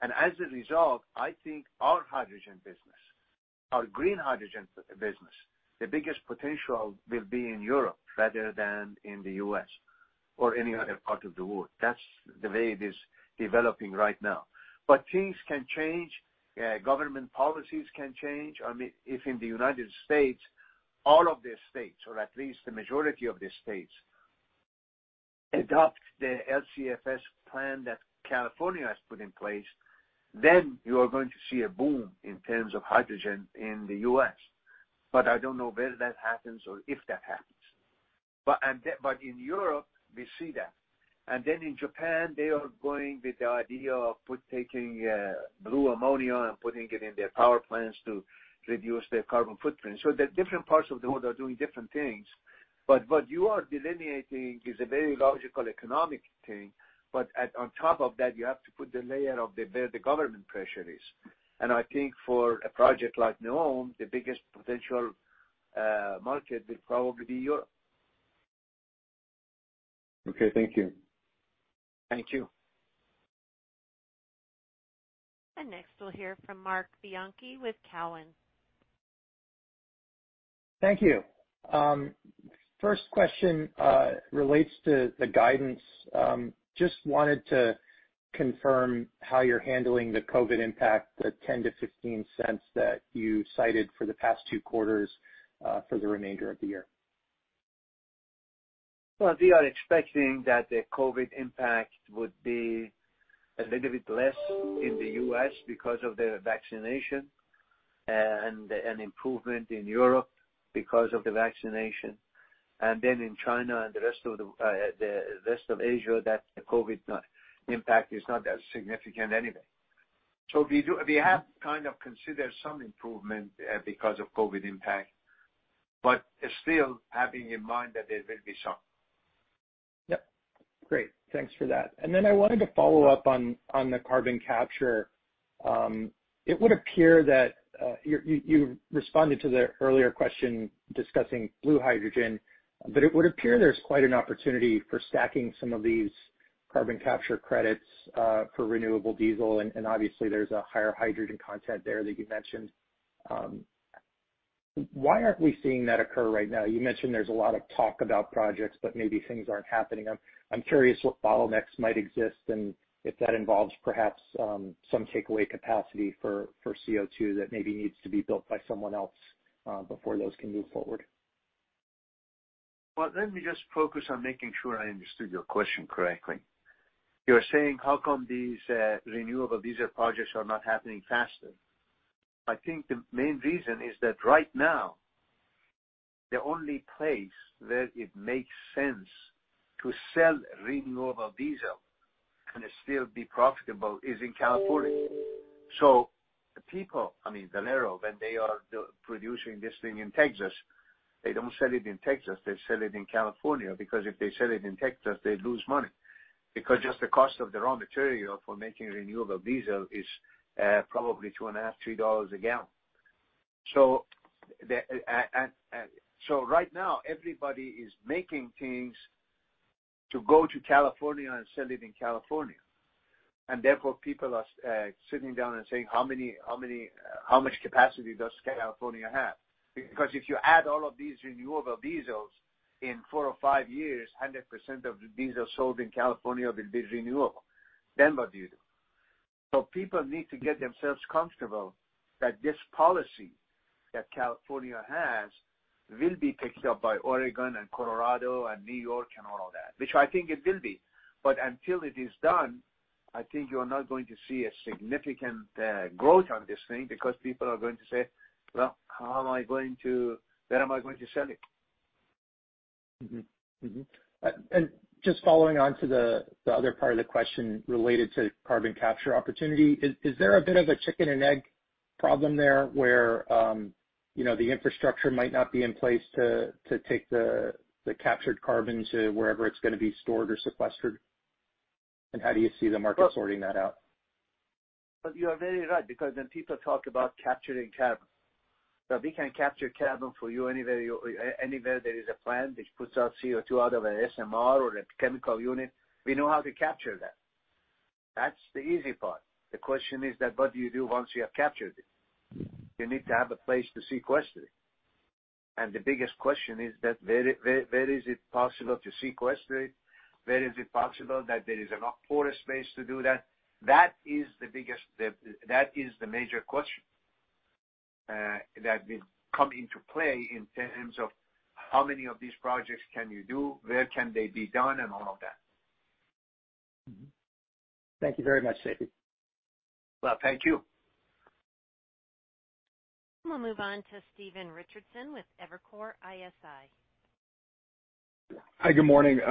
As a result, I think our hydrogen business, our green hydrogen business, the biggest potential will be in Europe rather than in the U.S. or any other part of the world. That's the way it is developing right now. Things can change, government policies can change. I mean, if in the United States, all of the states, or at least the majority of the states, adopt the LCFS plan that California has put in place, then you are going to see a boom in terms of hydrogen in the U.S. I don't know whether that happens or if that happens. In Europe, we see that. In Japan, they are going with the idea of taking blue ammonia and putting it in their power plants to reduce their carbon footprint. The different parts of the world are doing different things. What you are delineating is a very logical economic thing. On top of that, you have to put the layer of the, where the government pressure is. I think for a project like NEOM, the biggest potential market will probably be Europe. Okay. Thank you. Thank you. Next, we'll hear from Marc Bianchi with Cowen. Thank you. First question relates to the guidance. Just wanted to confirm how you're handling the COVID impact, the $0.10-$0.15 that you cited for the past two quarters, for the remainder of the year. We are expecting that the COVID impact would be a little bit less in the U.S. because of the vaccination and an improvement in Europe because of the vaccination. In China and the rest of the rest of Asia, that the COVID impact is not as significant anyway. We have kind of considered some improvement because of COVID impact, but still having in mind that there will be some. Yep. Great. Thanks for that. I wanted to follow up on the carbon capture. It would appear that you responded to the earlier question discussing blue hydrogen, it would appear there's quite an opportunity for stacking some of these carbon capture credits for renewable diesel, and obviously there's a higher hydrogen content there that you mentioned. Why aren't we seeing that occur right now? You mentioned there's a lot of talk about projects, but maybe things aren't happening. I'm curious what bottlenecks might exist and if that involves perhaps some takeaway capacity for CO2 that maybe needs to be built by someone else before those can move forward. Well, let me just focus on making sure I understood your question correctly. You're saying, how come these renewable diesel projects are not happening faster? I think the main reason is that right now, the only place where it makes sense to sell renewable diesel and still be profitable is in California. People, I mean, Valero, when they are producing this thing in Texas, they don't sell it in Texas, they sell it in California, because if they sell it in Texas, they lose money. Just the cost of the raw material for making renewable diesel is probably $2.50-$3 a gallon. Right now, everybody is making things to go to California and sell it in California. Therefore, people are sitting down and saying, "How many, how much capacity does California have?" Because if you add all of these renewable diesels in four or five years, 100% of the diesel sold in California will be renewable. What do you do? People need to get themselves comfortable that this policy that California has will be picked up by Oregon and Colorado and New York and all that. Which I think it will be, but until it is done, I think you're not going to see a significant growth on this thing because people are going to say, "Well, where am I going to sell it? Just following on to the other part of the question related to carbon capture opportunity. Is there a bit of a chicken and egg problem there where, you know, the infrastructure might not be in place to take the captured carbon to wherever it's gonna be stored or sequestered? How do you see the market sorting that out? You are very right, because when people talk about capturing carbon, we can capture carbon for you anywhere there is a plant which puts out CO2 out of an SMR or a chemical unit, we know how to capture that. That's the easy part. The question is that, what do you do once you have captured it? You need to have a place to sequester it. The biggest question is that where is it possible to sequester it? Where is it possible that there is enough forest space to do that? That is the biggest, that is the major question that will come into play in terms of how many of these projects can you do, where can they be done, and all of that. Thank you very much, Seifi. Well, thank you. We'll move on to Stephen Richardson with Evercore ISI. Hi, good morning.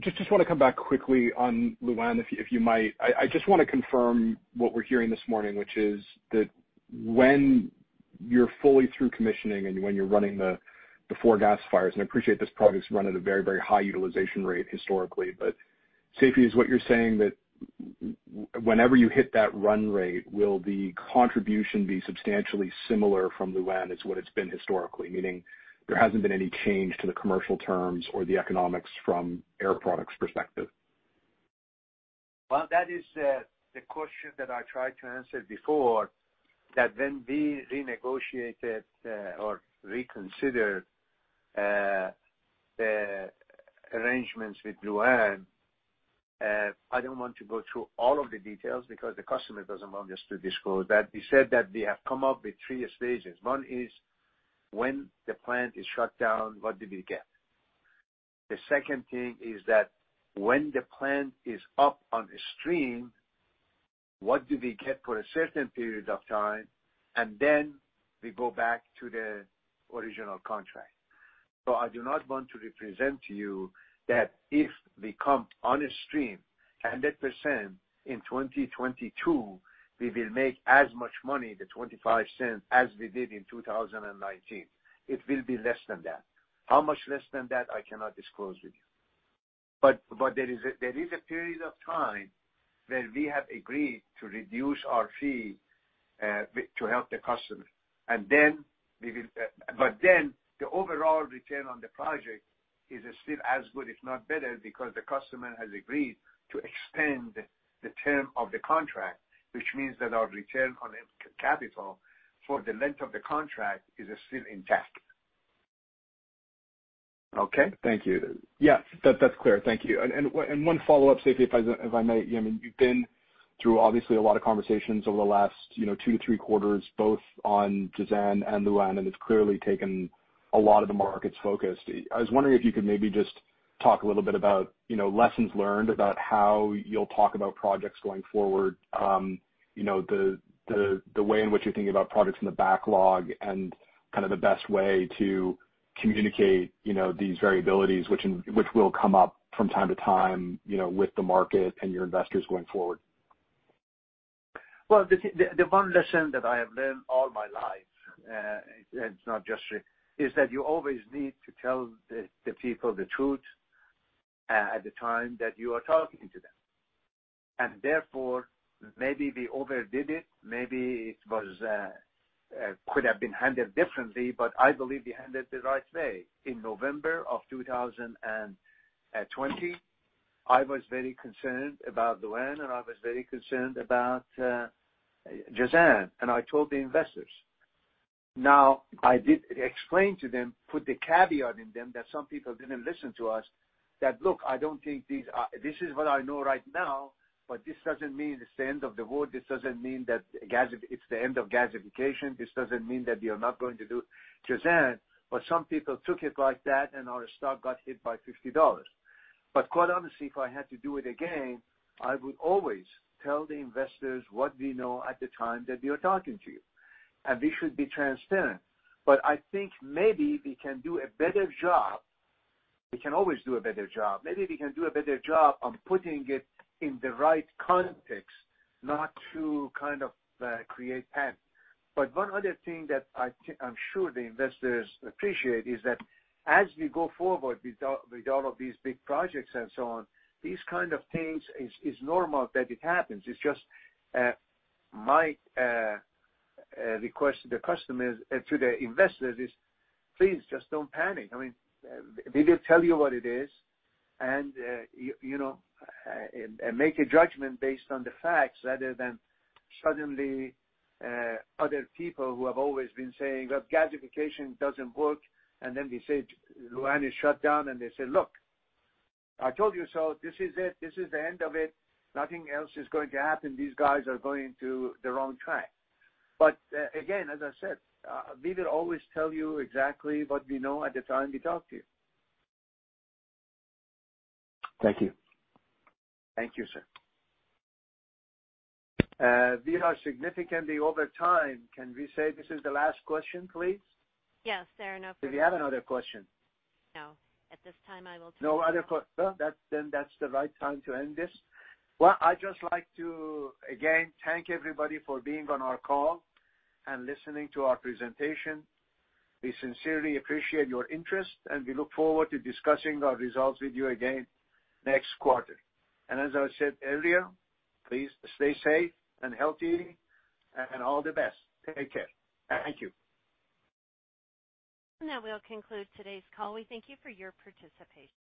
just wanna come back quickly on Lu'An, if you might. I just wanna confirm what we're hearing this morning, which is that when you're fully through commissioning and when you're running the four gasifiers, and I appreciate this project's run at a very high utilization rate historically, but Seifi, is what you're saying that whenever you hit that run rate, will the contribution be substantially similar from Lu'An as what it's been historically? Meaning there hasn't been any change to the commercial terms or the economics from Air Products' perspective. Well, that is the question that I tried to answer before, that when we renegotiated or reconsidered the arrangements with Lu'an, I don't want to go through all of the details because the customer doesn't want us to disclose that. We said that we have come up with three stages. One is, when the plant is shut down, what do we get? The second thing is that when the plant is up on a stream, what do we get for a certain period of time? We go back to the original contract. I do not want to represent to you that if we come on a stream 100% in 2022, we will make as much money, the $0.25, as we did in 2019. It will be less than that. How much less than that, I cannot disclose with you. There is a period of time where we have agreed to reduce our fee to help the customer. We will, but then the overall return on the project is still as good, if not better, because the customer has agreed to extend the term of the contract, which means that our return on capital for the length of the contract is still intact. Okay. Thank you. Yeah, that's clear. Thank you. One follow-up, Seifi, if I may. I mean, you've been through obviously a lot of conversations over the last, you know, two to three quarters, both on Jazan and Lu'An, it's clearly taken a lot of the market's focus. I was wondering if you could maybe just talk a little bit about, you know, lessons learned about how you'll talk about projects going forward. You know, the way in which you're thinking about projects in the backlog and kind of the best way to communicate, you know, these variabilities which will come up from time to time, you know, with the market and your investors going forward. Well, the one lesson that I have learned all my life, it's not just here, is that you always need to tell the people the truth at the time that you are talking to them. Therefore, maybe we overdid it. Maybe it was could have been handled differently, but I believe we handled it the right way. In November 2020, I was very concerned about Lu'An, and I was very concerned about Jazan, and I told the investors. Now, I did explain to them, put the caveat in them that some people didn't listen to us, that, "Look, I don't think This is what I know right now, but this doesn't mean it's the end of the world. This doesn't mean it's the end of gasification. This doesn't mean that we are not going to do Jazan. Some people took it like that, and our stock got hit by $50. Quite honestly, if I had to do it again, I would always tell the investors what we know at the time that we are talking to you, and we should be transparent. I think maybe we can do a better job. We can always do a better job. Maybe we can do a better job on putting it in the right context, not to kind of create panic. One other thing that I'm sure the investors appreciate is that as we go forward with all of these big projects and so on, these kind of things is normal that it happens. It's just, my request to the investors is please just don't panic. I mean, we will tell you what it is, and, you know, and make a judgment based on the facts rather than suddenly, other people who have always been saying that gasification doesn't work. We said Lu'An is shut down, and they say, "Look, I told you so. This is it. This is the end of it. Nothing else is going to happen. These guys are going to the wrong track." Again, as I said, we will always tell you exactly what we know at the time we talk to you. Thank you. Thank you, sir. We are significantly over time. Can we say this is the last question, please? Yes, there are no. Do we have another question? No. At this time. Well, that's, then that's the right time to end this. Well, I'd just like to, again, thank everybody for being on our call and listening to our presentation. We sincerely appreciate your interest, and we look forward to discussing our results with you again next quarter. As I said earlier, please stay safe and healthy and all the best. Take care. Thank you. That will conclude today's call. We thank you for your participation.